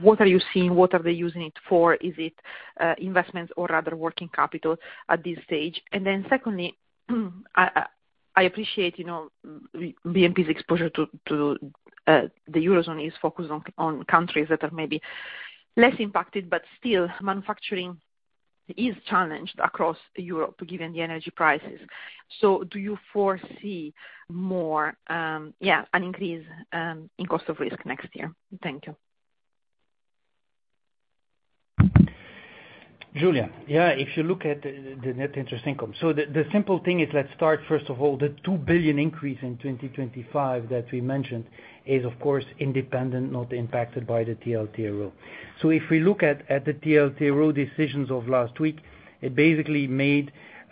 what are you seeing? What are they using it for? Is it investments or rather working capital at this stage? Secondly, I appreciate BNP's exposure to the Eurozone is focused on countries that are maybe less impacted, but still manufacturing is challenged across Europe, given the energy prices. Do you foresee more, an increase, in cost of risk next year? Thank you. Giulia, yeah, if you look at the net interest income. The simple thing is let's start, first of all, 2 billion increase in 2025 that we mentioned is of course independent, not impacted by the TLTRO. If we look at the TLTRO decisions of last week, the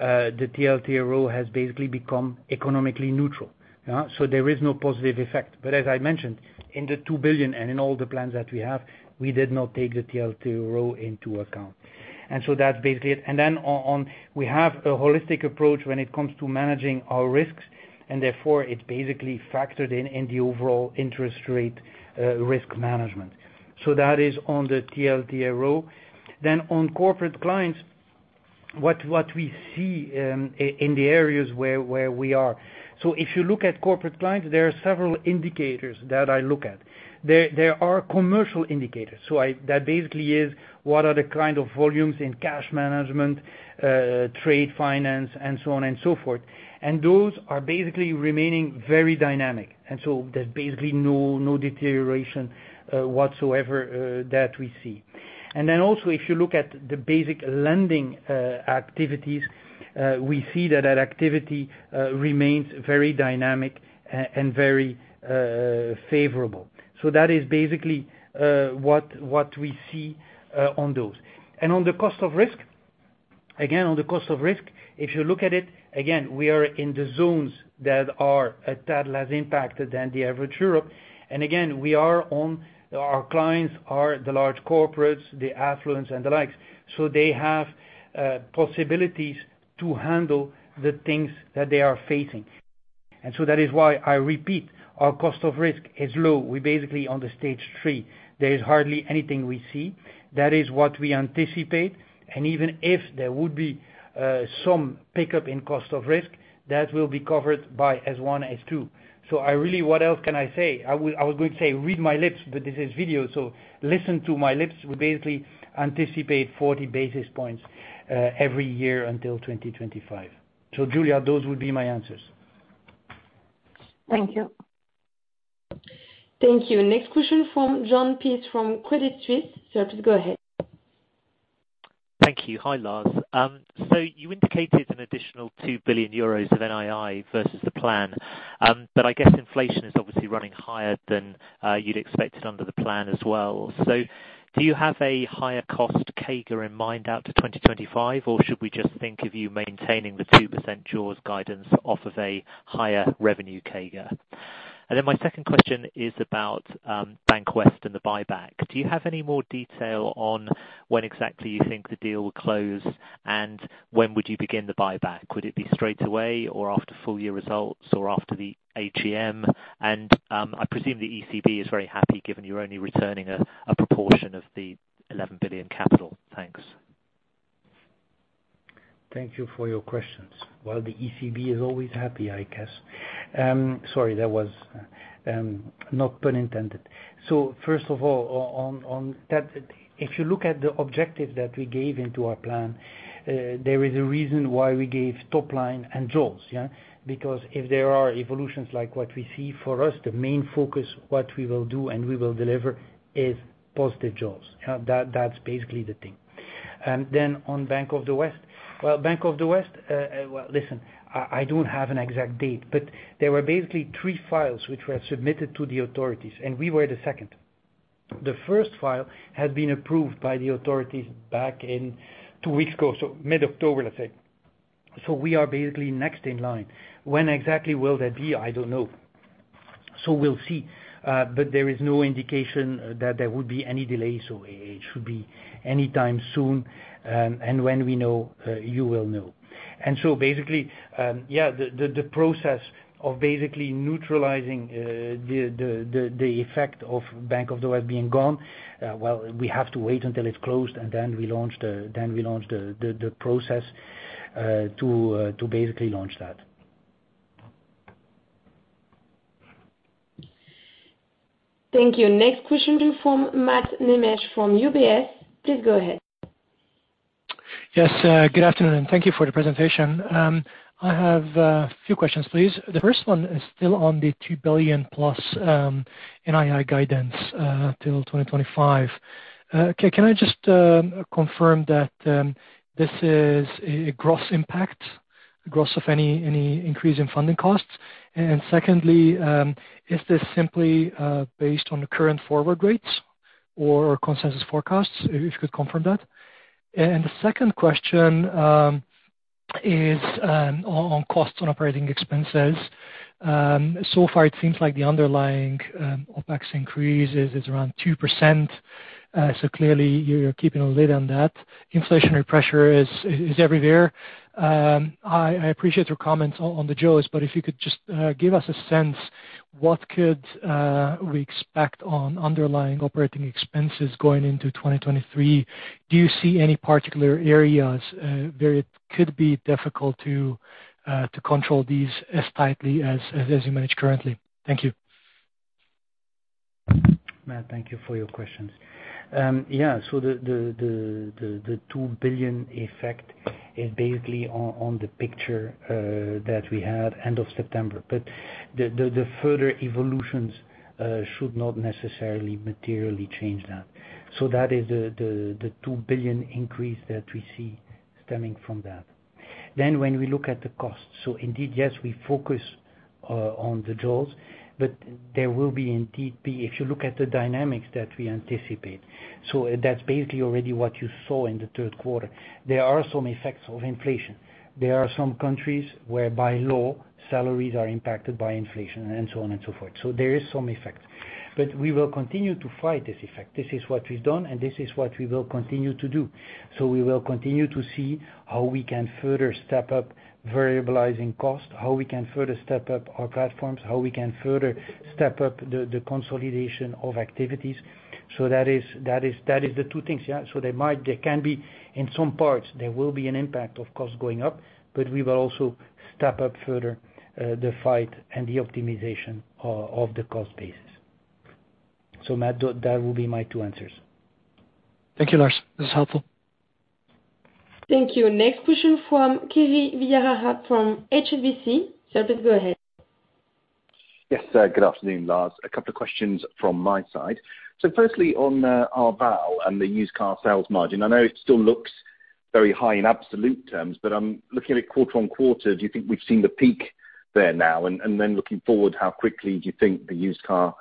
TLTRO has basically become economically neutral. There is no positive effect. As I mentioned, in 2 billion and in all the plans that we have, we did not take the TLTRO into account. That's basically it. On we have a holistic approach when it comes to managing our risks, and therefore it's basically factored in the overall interest rate risk management. That is on the TLTRO. On corporate clients, what we see in the areas where we are. If you look at corporate clients, there are several indicators that I look at. There are commercial indicators. That basically is what are the kind of volumes in cash management, trade finance and so on and so forth. Those are basically remaining very dynamic. There's basically no deterioration whatsoever that we see. Also, if you look at the basic lending activities, we see that activity remains very dynamic and very favorable. That is basically what we see on those. On the cost of risk, again, on the cost of risk, if you look at it, again, we are in the zones that are a tad less impacted than the average Europe. Again, our clients are the large corporates, the affluents and the likes. They have possibilities to handle the things that they are facing. That is why I repeat, our cost of risk is low. We're basically on Stage 3. There is hardly anything we see. That is what we anticipate. Even if there would be some pickup in cost of risk, that will be covered by Stage 1, Stage 2. I really. What else can I say? I would, I was going to say read my lips, but this is video, so listen to my lips. We basically anticipate 40 basis points every year until 2025. Giulia, those would be my answers. Thank you. Thank you. Next question from Jon Peace from Credit Suisse. Sir, please go ahead. Thank you. Hi, Lars. You indicated an additional 2 billion euros of NII versus the plan. But I guess inflation is obviously running higher than you'd expected under the plan as well. Do you have a higher cost CAGR in mind out to 2025, or should we just think of you maintaining the 2% jaws guidance off of a higher revenue CAGR? Then my second question is about Bank of the West and the buyback. Do you have any more detail on when exactly you think the deal will close, and when would you begin the buyback? Would it be straightaway or after full year results or after the AGM? I presume the ECB is very happy given you're only returning a proportion of the 11 billion capital. Thanks. Thank you for your questions. Well, the ECB is always happy, I guess. First of all, on that, if you look at the objective that we gave into our plan, there is a reason why we gave top line and jaws, yeah. Because if there are evolutions like what we see, for us, the main focus, what we will do, and we will deliver is positive jaws. That's basically the thing. Then on Bank of the West. Bank of the West. Listen, I don't have an exact date, but there were basically three files which were submitted to the authorities, and we were the second. The first file had been approved by the authorities back in two weeks ago, so mid-October, let's say. We are basically next in line. When exactly will that be? I don't know. We'll see. There is no indication that there would be any delay, so it should be any time soon. When we know, you will know. Basically, yeah, the process of basically neutralizing the effect of Bank of the West being gone, well, we have to wait until it's closed, and then we launch the process to basically launch that. Thank you. Next question from Mate Nemes from UBS. Please go ahead. Yes, good afternoon, and thank you for the presentation. I have a few questions, please. The first one is still on the 2 billion+ NII guidance till 2025. Okay, can I just confirm that this is a gross impact, gross of any increase in funding costs? Secondly, is this simply based on the current forward rates or consensus forecasts? If you could confirm that. The second question is on costs, on operating expenses. So far it seems like the underlying OpEx increase is around 2%. So clearly you're keeping a lid on that. Inflationary pressure is everywhere. I appreciate your comments on the jaws, but if you could just give us a sense, what could we expect on underlying operating expenses going into 2023? Do you see any particular areas where it could be difficult to control these as tightly as you manage currently? Thank you. Mate Nemes, thank you for your questions. 2 billion effect is basically on the picture that we had end of September. The further evolutions should not necessarily materially change that. That is 2 billion increase that we see stemming from that. When we look at the cost, so indeed, yes, we focus on the jaws, but there will be indeed. If you look at the dynamics that we anticipate, that's basically already what you saw in the 3rd quarter. There are some effects of inflation. There are some countries where by law, salaries are impacted by inflation and so on and so forth. There is some effect. We will continue to fight this effect. This is what we've done, and this is what we will continue to do. We will continue to see how we can further step up variabilizing costs, how we can further step up our platforms, how we can further step up the consolidation of activities. That is the two things, yeah. There might, there can be, in some parts, there will be an impact of costs going up, but we will also step up further the fight and the optimization of the cost basis. Matt, that will be my two answers. Thank you, Lars. That's helpful. Thank you. Next question from Kiri Vijayarajah from HSBC. Sir, please go ahead. Yes, good afternoon, Lars. A couple of questions from my side. Firstly on Arval and the used car sales margin, I know it still looks very high in absolute terms, but I'm looking at quarter-on-quarter, do you think we've seen the peak there now? Then looking forward, how quickly do you think the used car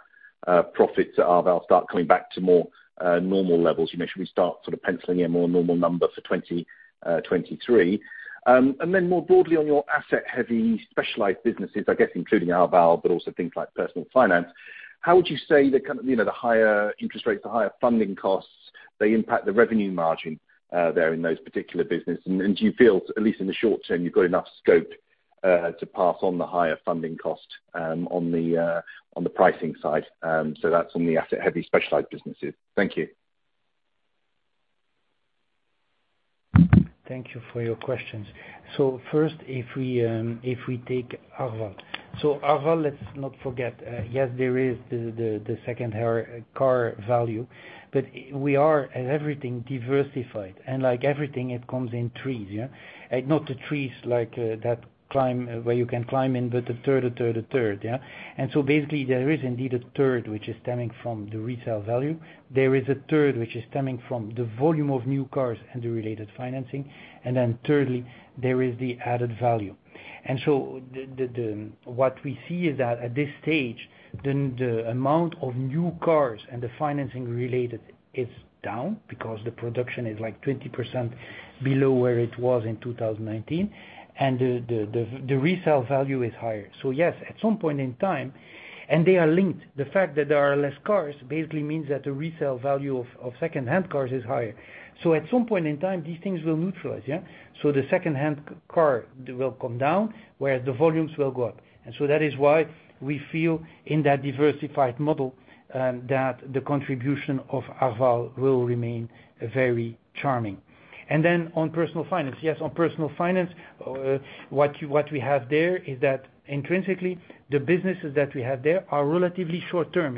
profits at Arval start coming back to more normal levels? You know, should we start sort of penciling a more normal number for 2023? More broadly on your asset-heavy specialized businesses, I guess including Arval, but also things like Personal Finance, how would you say the kind of, you know, the higher interest rates, the higher funding costs, they impact the revenue margin there in those particular business? Do you feel, at least in the short term, you've got enough scope to pass on the higher funding cost on the pricing side? That's on the asset-heavy specialized businesses. Thank you. Thank you for your questions. First, if we take Arval. Arval, let's not forget, yes, there is the second-hand car value, but we have everything diversified and like everything, it comes in threes, yeah. Not the trees like that you can climb in, but a third, yeah. Basically there is indeed a third which is stemming from the resale value. There is a third which is stemming from the volume of new cars and the related financing. Thirdly, there is the added value. What we see is that at this stage, the amount of new cars and the financing related is down because the production is like 20% below where it was in 2019, and the resale value is higher. Yes, at some point in time, and they are linked, the fact that there are less cars basically means that the resale value of secondhand cars is higher. At some point in time, these things will neutralize. The secondhand car will come down, whereas the volumes will go up. That is why we feel in that diversified model that the contribution of Arval will remain very charming. Then on Personal Finance. Yes, on Personal Finance, what we have there is that intrinsically, the businesses that we have there are relatively short-term.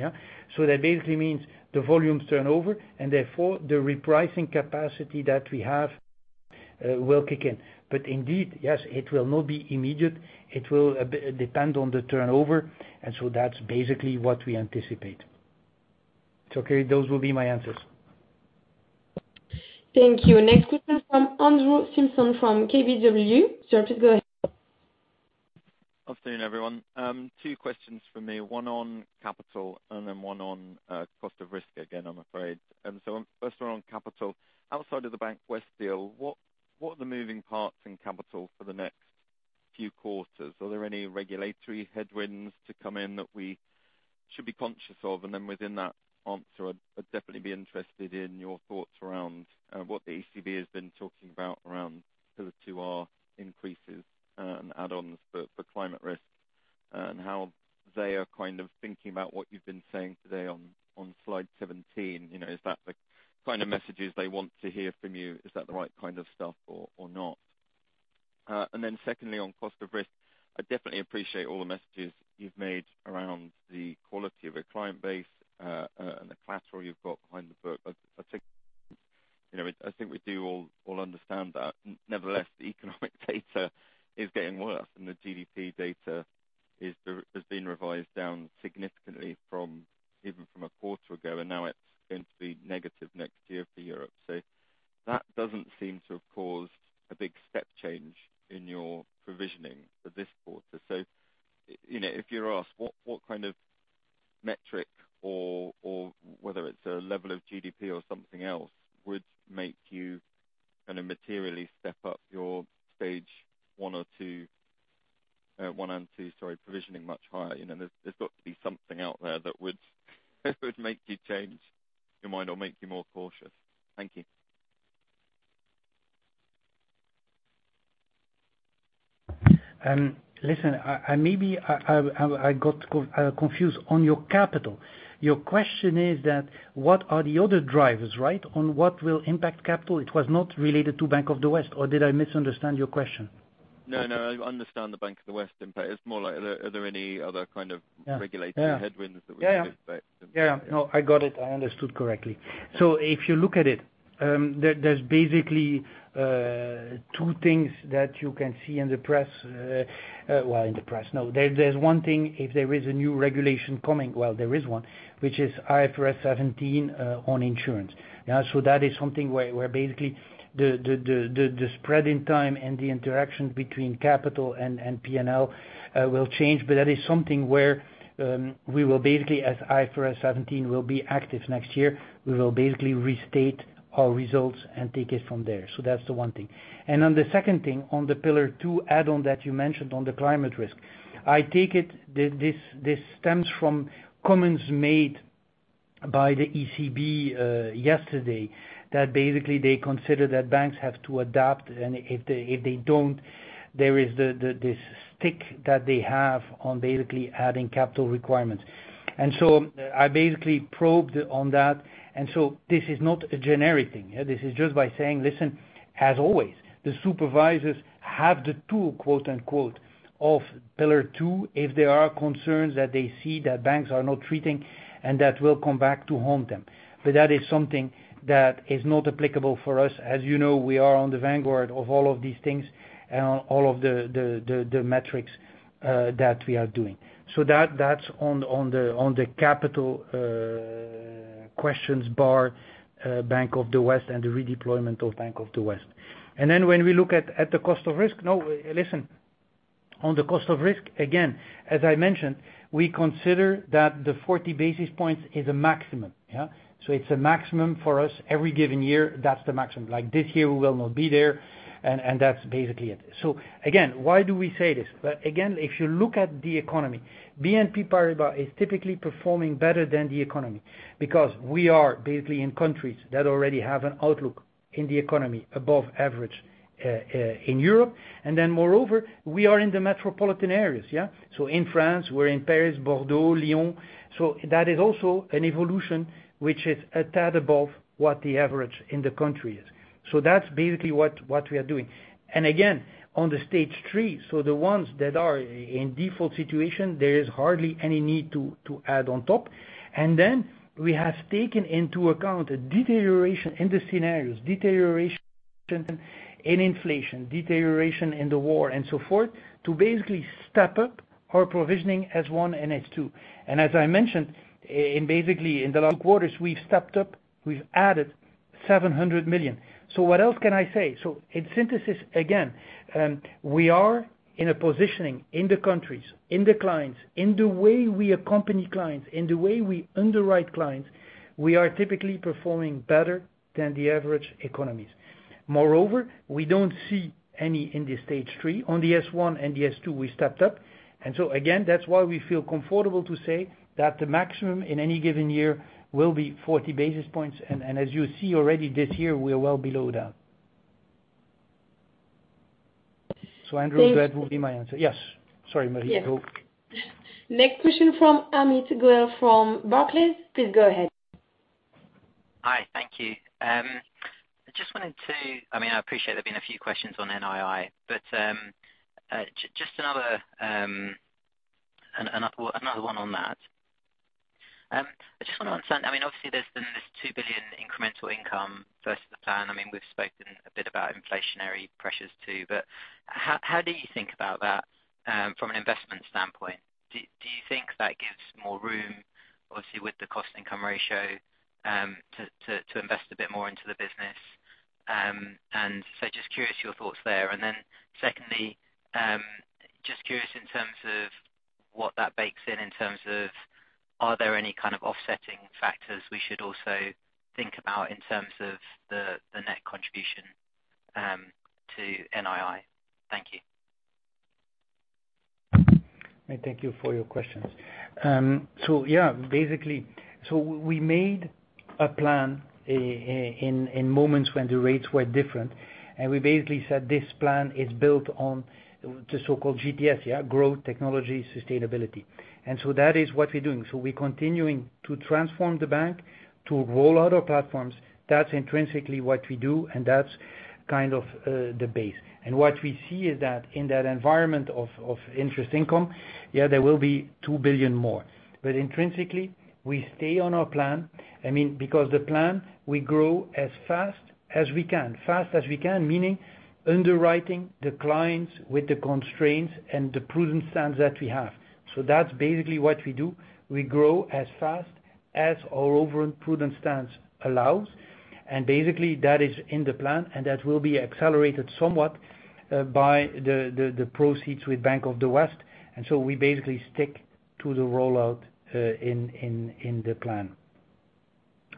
That basically means the volumes turnover and therefore the repricing capacity that we have will kick in. Indeed, yes, it will not be immediate. It will depend on the turnover, and so that's basically what we anticipate. Okay, those will be my answers. Thank you. Next question from Andrew Stimpson from KBW. Sir, please go ahead. Afternoon, everyone. Two questions from me, one on capital and then one on cost of risk again, I'm afraid. First one on capital. Outside of the Bank of the West deal, what are the moving parts in capital for the next few quarters? Are there any regulatory headwinds to come in that we should be conscious of? Then within that answer, I'd definitely be interested in your thoughts around what the ECB has been talking about around the P2R increases, and add-ons for climate risks, and how they are kind of thinking about what you've been saying today on Slide 17. You know, is that the kind of messages they want to hear from you? Is that the right kind of stuff or not? Secondly, on cost of risk, I definitely appreciate all the messages you've made around the quality of a client base, and the collateral you've got behind the book. I think, you know, I think we do all understand that. Nevertheless, the economic data is getting worse, and the GDP data is being revised down significantly from, even from a quarter ago, and now it's going to be negative next year for Europe. That doesn't seem to have caused a big step change in your provisioning for this quarter. You know, if you're asked what kind of metric or whether it's a level of GDP or something else would make you kinda materially step up your stage one or two, one and two, sorry, provisioning much higher, you know. There's got to be something out there that would make you change your mind or make you more cautious. Thank you. Listen, maybe I got confused. On your capital, your question is that what are the other drivers, right? On what will impact capital, it was not related to Bank of the West, or did I misunderstand your question? No, no, I understand the Bank of the West impact. It's more like, are there any other kind of? Yeah. Regulatory headwinds that we should expect? Yeah. No, I got it. I understood correctly. If you look at it, there's basically two things that you can see in the press. Well, in the press. No. There's one thing if there is a new regulation coming. Well, there is one, which is IFRS 17 on insurance. Yeah. That is something where basically the spread in time and the interaction between capital and P&L will change, but that is something where, as IFRS 17 will be active next year, we will basically restate our results and take it from there. That's the one thing. On the second thing, on the Pillar Two add-on that you mentioned on the climate risk, I take it this stems from comments made by the ECB yesterday, that basically they consider that banks have to adapt, and if they don't, there is this stick that they have on basically adding capital requirements. I basically probed on that, and so this is not a generic thing. Yeah. This is just by saying, listen, as always, the supervisors have the tool, quote-unquote, of Pillar Two, if there are concerns that they see that banks are not treating and that will come back to haunt them. But that is something that is not applicable for us. As you know, we are on the vanguard of all of these things and all of the metrics that we are doing. That, that's on the capital questions regarding Bank of the West and the redeployment of Bank of the West. Then when we look at the cost of risk, on the cost of risk, again, as I mentioned, we consider that the 40 basis points is a maximum. Yeah. It's a maximum for us every given year, that's the maximum. Like this year, we will not be there, and that's basically it. Again, why do we say this? Again, if you look at the economy, BNP Paribas is typically performing better than the economy because we are basically in countries that already have an outlook in the economy above average in Europe. Then moreover, we are in the metropolitan areas. Yeah. In France, we're in Paris, Bordeaux, Lyon. That is also an evolution which is a tad above what the average in the country is. That's basically what we are doing. Again, on the Stage 3, the ones that are in default situation, there is hardly any need to add on top. Then we have taken into account a deterioration in the scenarios, deterioration in inflation, deterioration in the war, and so forth, to basically step up our provisioning Stage 1 and Stage 2. As I mentioned, in basically in the last quarters, we've stepped up, we've added 700 million. What else can I say? In synthesis, again, we are in a positioning in the countries, in the clients, in the way we accompany clients, in the way we underwrite clients, we are typically performing better than the average economies. Moreover, we don't see any in the Stage 3. On the Stage 1 and the Stage 2, we stepped up. Again, that's why we feel comfortable to say that the maximum in any given year will be 40 basis points. As you see already this year, we are well below that. Andrew, that will be my answer. Yes. Sorry, Marie. Go. Next question from Amit Goel from Barclays. Please go ahead. Hi. Thank you. I mean, I appreciate there's been a few questions on NII, but just another one on that. I just wanna understand, I mean, obviously there's been 2 billion incremental income versus the plan. I mean, we've spoken a bit about inflationary pressures too, but how do you think about that from an investment standpoint? Do you think that gives more room, obviously, with the cost income ratio, to invest a bit more into the business? Just curious your thoughts there. Secondly, just curious in terms of what that bakes in terms of are there any kind of offsetting factors we should also think about in terms of the net contribution to NII? Thank you. Thank you for your questions. Yeah, basically, we made a plan in moments when the rates were different, and we basically said this plan is built on the so-called GTS, yeah. Growth, technology, sustainability. That is what we're doing. We're continuing to transform the bank to roll out our platforms. That's intrinsically what we do, and that's kind of the base. What we see is that in that environment of interest income, yeah, there will 2 billion more. Intrinsically, we stay on our plan. I mean, because the plan, we grow as fast as we can. Fast as we can, meaning underwriting the clients with the constraints and the prudent stance that we have. That's basically what we do. We grow as fast as our overall prudent stance allows, and basically that is in the plan, and that will be accelerated somewhat by the proceeds with Bank of the West. We basically stick to the rollout in the plan.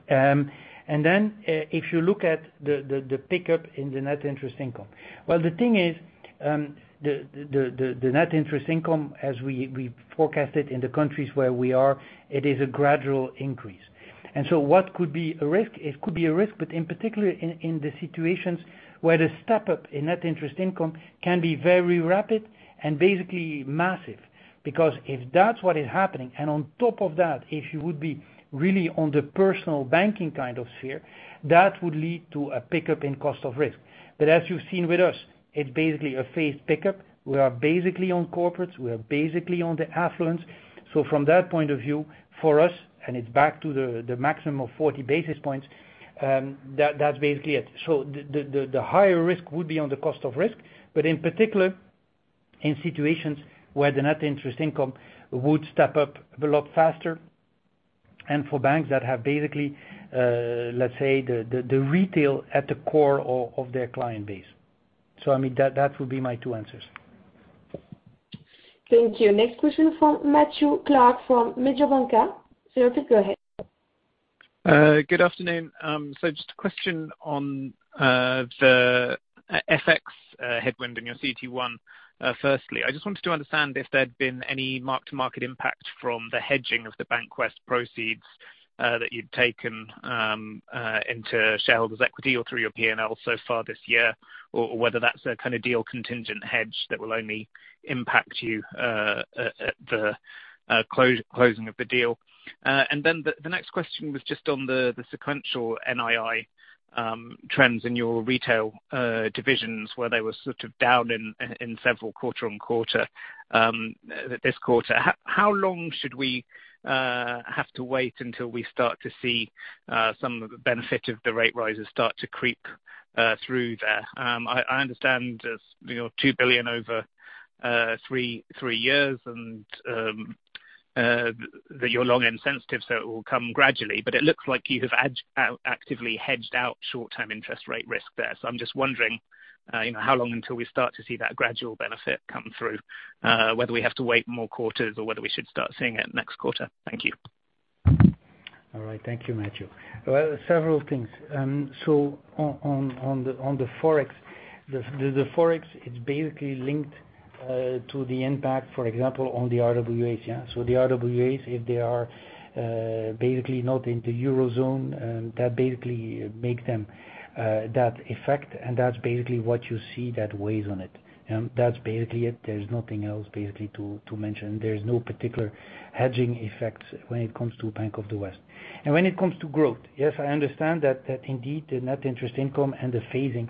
If you look at the pickup in the net interest income. Well, the thing is, the net interest income as we forecast it in the countries where we are, it is a gradual increase. What could be a risk? It could be a risk, but in particular in the situations where the step up in net interest income can be very rapid and basically massive. Because if that's what is happening, and on top of that, if you would be really on the personal banking kind of sphere, that would lead to a pickup in cost of risk. But as you've seen with us, it's basically a phased pickup. We are basically on corporates. We are basically on the affluence. So from that point of view, for us, and it's back to the maximum of 40 basis points, that's basically it. So the higher risk would be on the cost of risk, but in particular, in situations where the net interest income would step up a lot faster, and for banks that have basically, let's say, the retail at the core of their client base. So I mean, that would be my two answers. Thank you. Next question from Matthew Clark, from Mediobanca. Sir, go ahead. Good afternoon. Just a question on the FX headwind in your CET1, firstly. I just wanted to understand if there'd been any mark-to-market impact from the hedging of the Bank of the West proceeds that you'd taken into shareholders' equity or through your P&L so far this year, or whether that's a kind of deal contingent hedge that will only impact you at the closing of the deal. Then the next question was just on the sequential NII trends in your retail divisions, where they were sort of down quarter-over-quarter in several this quarter. How long should we have to wait until we start to see some of the benefit of the rate rises start to creep through there? I understand there's, you 2 billion over 3 years and that you're long and sensitive, so it will come gradually, but it looks like you have actively hedged out short-term interest rate risk there. I'm just wondering, you know, how long until we start to see that gradual benefit come through, whether we have to wait more quarters or whether we should start seeing it next quarter. Thank you. All right. Thank you, Matthew. Well, several things. On the Forex, the Forex is basically linked to the impact, for example, on the RWAs. The RWAs, if they are basically not in the Eurozone, that basically affects them, and that's basically what you see that weighs on it. That's basically it. There's nothing else basically to mention. There's no particular hedging effects when it comes to Bank of the West. When it comes to growth, yes, I understand that indeed the net interest income and the phasing,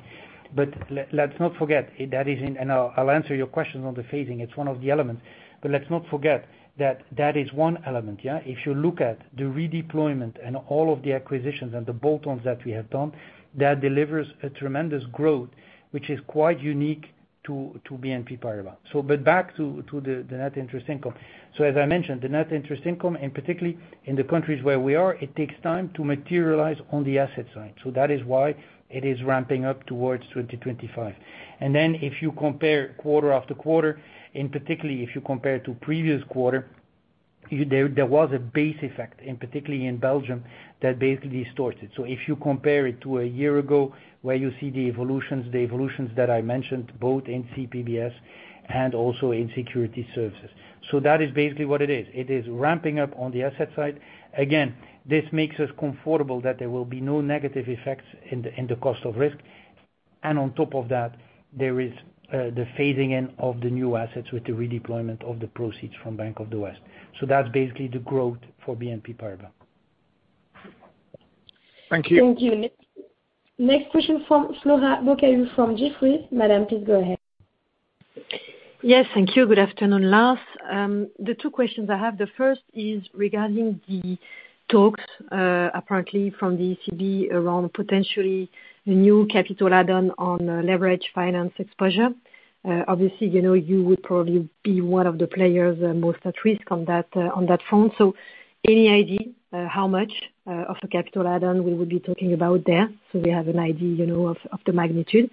but let's not forget. I'll answer your question on the phasing. It's one of the elements, but let's not forget that is one element, yeah. If you look at the redeployment and all of the acquisitions and the bolt-ons that we have done, that delivers tremendous growth, which is quite unique to BNP Paribas. Back to the net interest income. As I mentioned, the net interest income, and particularly in the countries where we are, it takes time to materialize on the asset side. That is why it is ramping up towards 2025. If you compare quarter after quarter, and particularly if you compare to the previous quarter, there was a base effect, and particularly in Belgium, that basically distorts it. If you compare it to a year ago where you see the evolutions that I mentioned both in CPBS and also in Securities Services. That is basically what it is. It is ramping up on the asset side. Again, this makes us comfortable that there will be no negative effects in the cost of risk. On top of that, there is the phasing in of the new assets with the redeployment of the proceeds from Bank of the West. That's basically the growth for BNP Paribas. Thank you. Thank you. Next question from Flora Bocahut from Jefferies. Madam, please go ahead. Yes, thank you. Good afternoon, Lars. The two questions I have, the first is regarding the talks, apparently from the ECB around potentially the new capital add-on on leveraged financing exposure. Obviously, you know, you would probably be one of the players most at risk on that front. Any idea how much of a capital add-on we would be talking about there so we have an idea, you know, of the magnitude?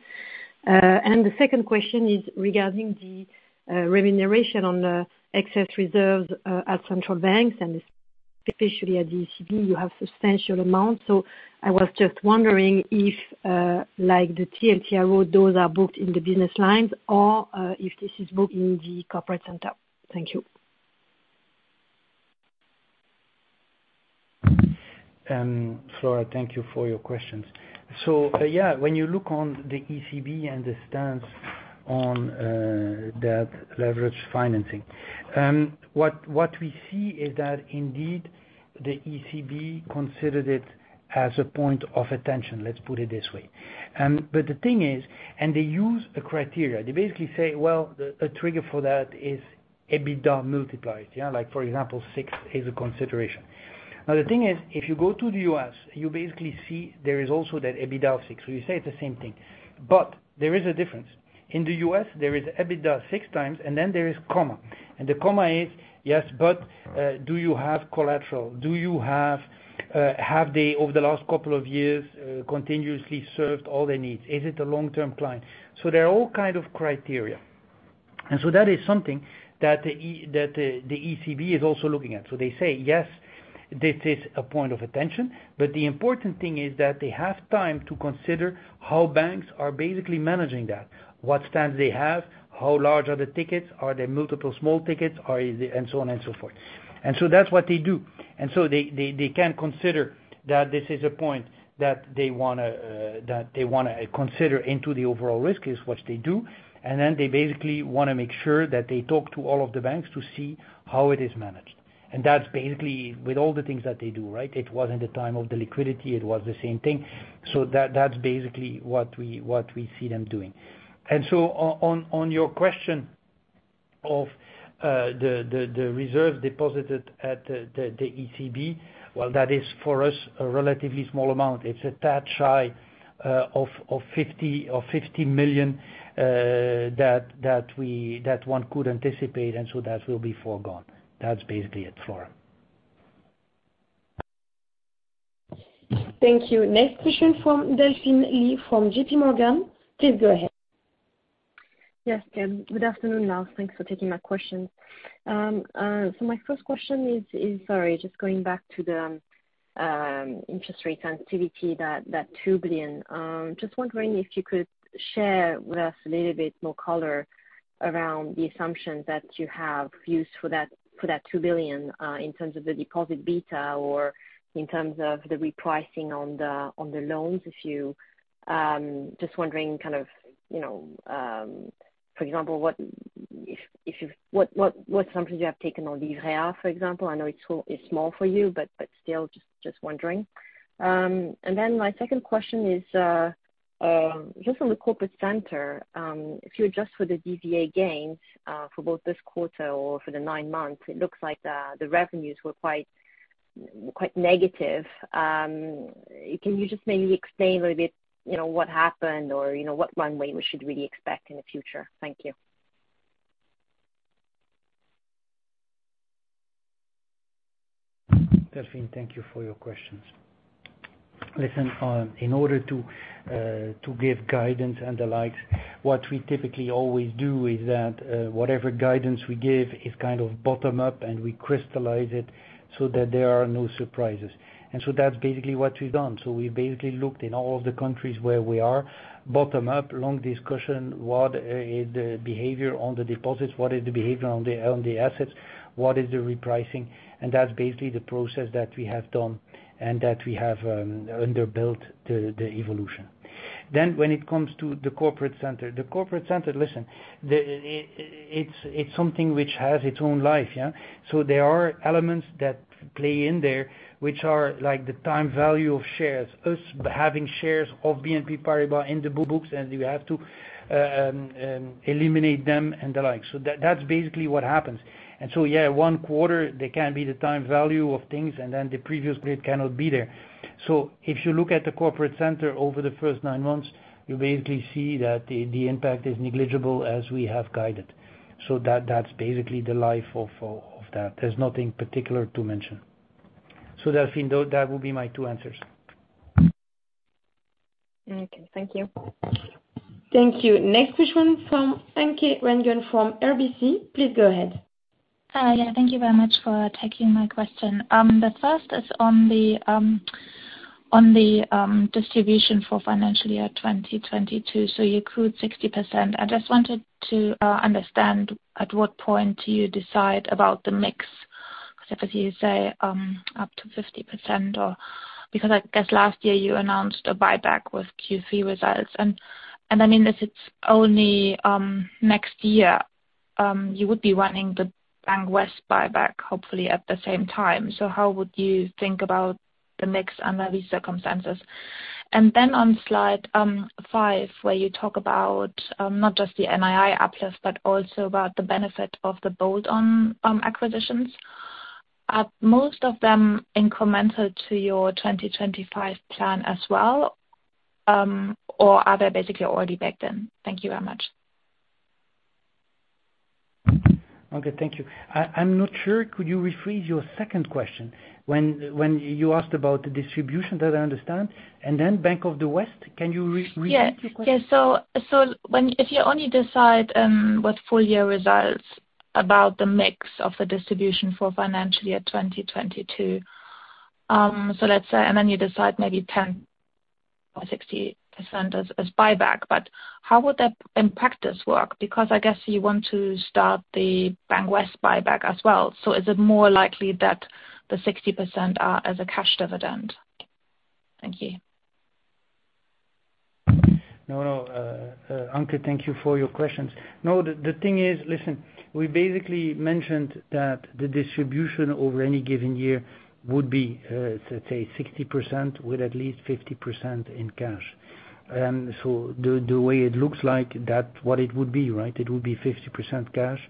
And the second question is regarding the remuneration on the excess reserves at central banks, and especially at the ECB, you have substantial amounts. I was just wondering if, like the TLTRO, those are booked in the business lines or if this is booked in the corporate center. Thank you. Flora, thank you for your questions. Yeah, when you look at the ECB and the stance on that leveraged financing, what we see is that indeed the ECB considered it as a point of attention, let's put it this way. But the thing is, and they use a criteria. They basically say, a trigger for that is EBITDA multiples. Yeah. Like for example, 6 is a consideration. Now the thing is, if you go to the US, you basically see there is also that EBITDA 6. So you say it's the same thing, but there is a difference. In the US there is EBITDA 6 times, and then there is comma. And the comma is, yes, but do you have collateral? Do you have they over the last couple of years continuously served all the needs? Is it a long-term client? There are all kind of criteria. That is something that the ECB is also looking at. They say, yes, this is a point of attention, but the important thing is that they have time to consider how banks are basically managing that, what stance they have, how large are the tickets, are there multiple small tickets, and so on and so forth. That's what they do. They can consider that this is a point that they wanna consider into the overall risk is what they do. They basically wanna make sure that they talk to all of the banks to see how it is managed. That's basically with all the things that they do, right? It was in the time of the liquidity, it was the same thing. That's basically what we see them doing. On your question of the reserve deposited at the ECB, well, that is for us a relatively small amount. It's a touch high of EUR 50 million that one could anticipate, and that will be foregone. That's basically it, Flora. Thank you. Next question from Delphine Lee from JPMorgan. Please go ahead. Yes. Good afternoon, Lars. Thanks for taking my questions. My first question is, sorry, just going back to the interest rate sensitivity 2 billion. just wondering if you could share with us a little bit more color around the assumptions that you have used for that 2 billion in terms of the deposit beta or in terms of the repricing on the loans. Just wondering kind of, you know, for example, what assumptions you have taken on Livret A, for example. I know it's small for you, but still just wondering. My second question is, just on the corporate center, if you adjust for the DVA gains, for both this quarter or for the nine months, it looks like the revenues were quite negative. Can you just maybe explain a little bit, you know, what happened or, you know, what runway we should really expect in the future? Thank you. Delphine, thank you for your questions. Listen, in order to give guidance and the likes, what we typically always do is that, whatever guidance we give is kind of bottom-up, and we crystallize it so that there are no surprises. That's basically what we've done. We basically looked in all of the countries where we are, bottom up, long discussion, what is the behavior on the deposits, what is the behavior on the assets, what is the repricing, and that's basically the process that we have done and that we have underbuilt the evolution. When it comes to the corporate center, the corporate center, listen, it's something which has its own life, yeah. There are elements that play in there which are like the time value of shares. Us having shares of BNP Paribas in the books, and you have to eliminate them and the like. That's basically what happens. Yeah, one quarter there can be the time value of things, and then the previous bid cannot be there. If you look at the corporate center over the first nine months, you basically see that the impact is negligible as we have guided. That's basically the life of that. There's nothing particular to mention. Delphine, though, that will be my two answers. Okay, thank you. Thank you. Next question from Anke Reingen from RBC, please go ahead. Yeah. Thank you very much for taking my question. The first is on the distribution for financial year 2022, so you accrued 60%. I just wanted to understand at what point do you decide about the mix, if, as you say, up to 50% or. Because I guess last year you announced a buyback with Q3 results, and I mean, if it's only next year, you would be running the Bank of the West buyback hopefully at the same time. How would you think about the mix under these circumstances? Then on Slide 5, where you talk about not just the NII uplift but also about the benefit of the bolt-on acquisitions. Are most of them incremental to your 2025 plan as well, or are they basically already baked in? Thank you very much. Okay, thank you. I'm not sure. Could you rephrase your second question? When you asked about the distribution, that I understand, and then Bank of the West. Can you repeat your question? Yeah. Yeah. If you only decide with full year results about the mix of the distribution for financial year 2022, let's say, and then you decide maybe 10% or 60% as buyback, but how would that in practice work? Because I guess you want to start the Bank of the West buyback as well. Is it more likely that the 60% are as a cash dividend? Thank you. No, no. Anke, thank you for your questions. No, the thing is, listen, we basically mentioned that the distribution over any given year would be, let's say 60% with at least 50% in cash. The way it looks like, that's what it would be, right? It would be 50% cash,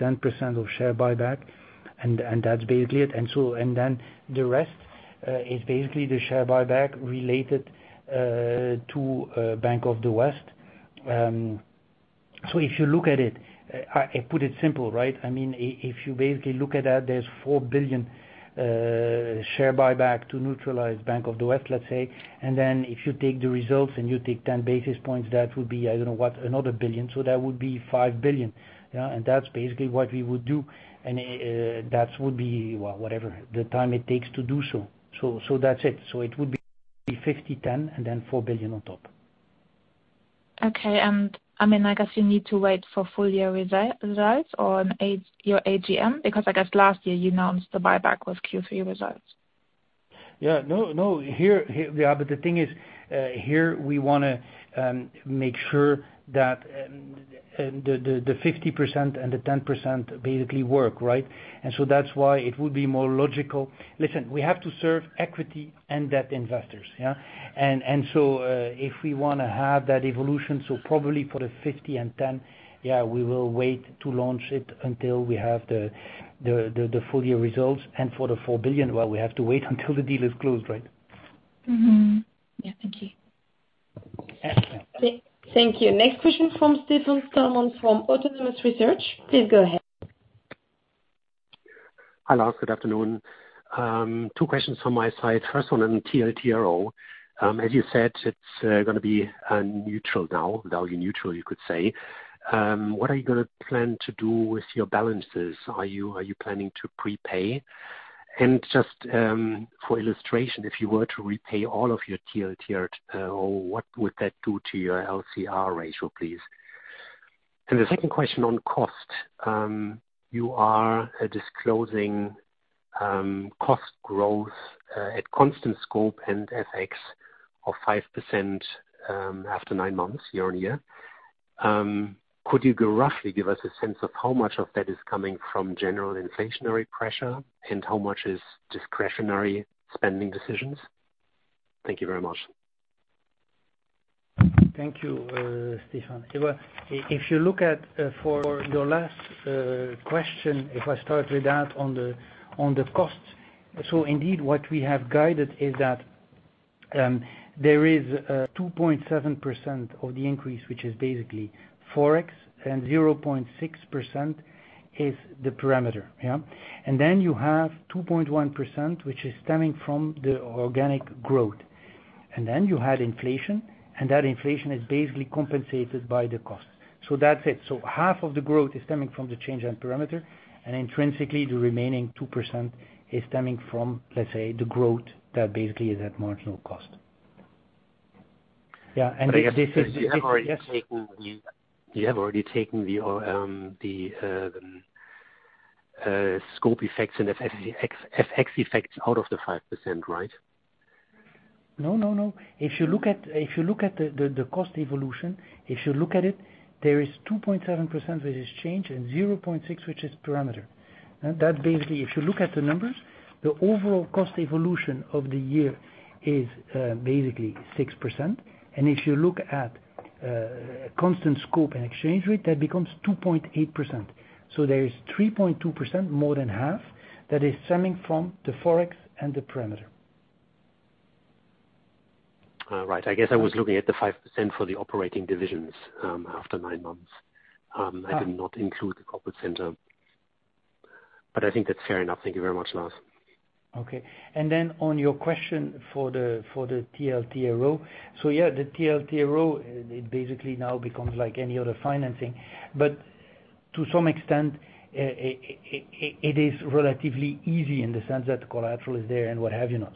10% of share buyback, and that's basically it. The rest is basically the share buyback related to Bank of the West. If you look at it, I put it simple, right? I mean, if you basically look at that, there's $4 billion share buyback to neutralize Bank of the West, let's say. If you take the results and you take 10 basis points, that would be, I don't know what, another 1 billion, so that would be 5 billion. Yeah. That's basically what we would do. That would be, well, whatever the time it takes to do so. That's it. It would be 50, 10, and then 4 billion on top. Okay. I mean, I guess you need to wait for full year results or your AGM, because I guess last year you announced the buyback with Q3 results. But the thing is, here we wanna make sure that the 50% and the 10% basically work, right? That's why it would be more logical. Listen, we have to serve equity and debt investors, yeah? If we wanna have that evolution, probably for the 50% and 10%, yeah, we will wait to launch it until we have the full year results. For the 4 billion, well, we have to wait until the deal is closed, right? Mm-hmm. Yeah. Thank you. Excellent. Thank you. Next question from Stefan Stalmann from Autonomous Research. Please go ahead. Hi, Lars. Good afternoon. Two questions from my side. First one on TLTRO. As you said, it's gonna be neutral now, value neutral you could say. What are you gonna plan to do with your balances? Are you planning to prepay? And just for illustration, if you were to repay all of your TLTRO, what would that do to your LCR ratio, please? And the second question on cost. You are disclosing cost growth at constant scope and FX of 5%, after nine months year-on-year. Could you roughly give us a sense of how much of that is coming from general inflationary pressure, and how much is discretionary spending decisions? Thank you very much. Thank you, Stefan. Well, if you look at your last question, if I start with that on the costs. Indeed, what we have guided is that there is 2.7% of the increase, which is basically Forex, and 0.6% is the parameter, yeah. You have 2.1%, which is stemming from the organic growth. You had inflation, and that inflation is basically compensated by the cost. That's it. Half of the growth is stemming from the change in parameter, and intrinsically the remaining 2% is stemming from, let's say, the growth that basically is at marginal cost. Yeah, and this is. I guess you have already taken the scope effects and FX effects out of the 5%, right? No. If you look at the cost evolution, there is 2.7% which is change and 0.6% which is perimeter. Now that basically, if you look at the numbers, the overall cost evolution of the year is basically 6%. If you look at constant scope and exchange rate, that becomes 2.8%. There is 3.2% more than half that is stemming from the Forex and the perimeter. All right. I guess I was looking at the 5% for the operating divisions, after nine months. I did not include the corporate center, but I think that's fair enough. Thank you very much, Lars. Okay. On your question for the TLTRO. Yeah, the TLTRO, it basically now becomes like any other financing. To some extent, it is relatively easy in the sense that the collateral is there and whatnot.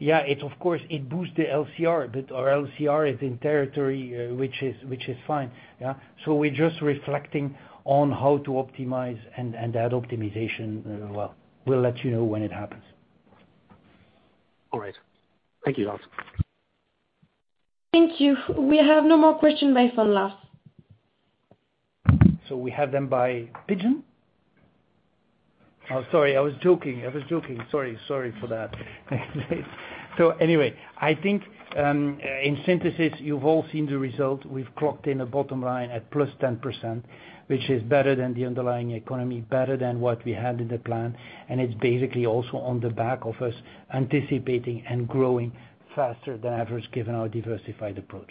Yeah, it's of course, it boosts the LCR, but our LCR is in territory, which is fine. Yeah. We're just reflecting on how to optimize and add optimization. Well, we'll let you know when it happens. All right. Thank you, Lars. Thank you. We have no more questions by phone, Lars. We have them by pigeon? Oh, sorry, I was joking. Sorry for that. Anyway, I think, in synthesis, you've all seen the result. We've clocked in a bottom line at +10%, which is better than the underlying economy, better than what we had in the plan. It's basically also on the back of us anticipating and growing faster than average given our diversified approach.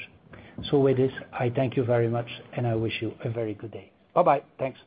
With this, I thank you very much, and I wish you a very good day. Bye-bye. Thanks.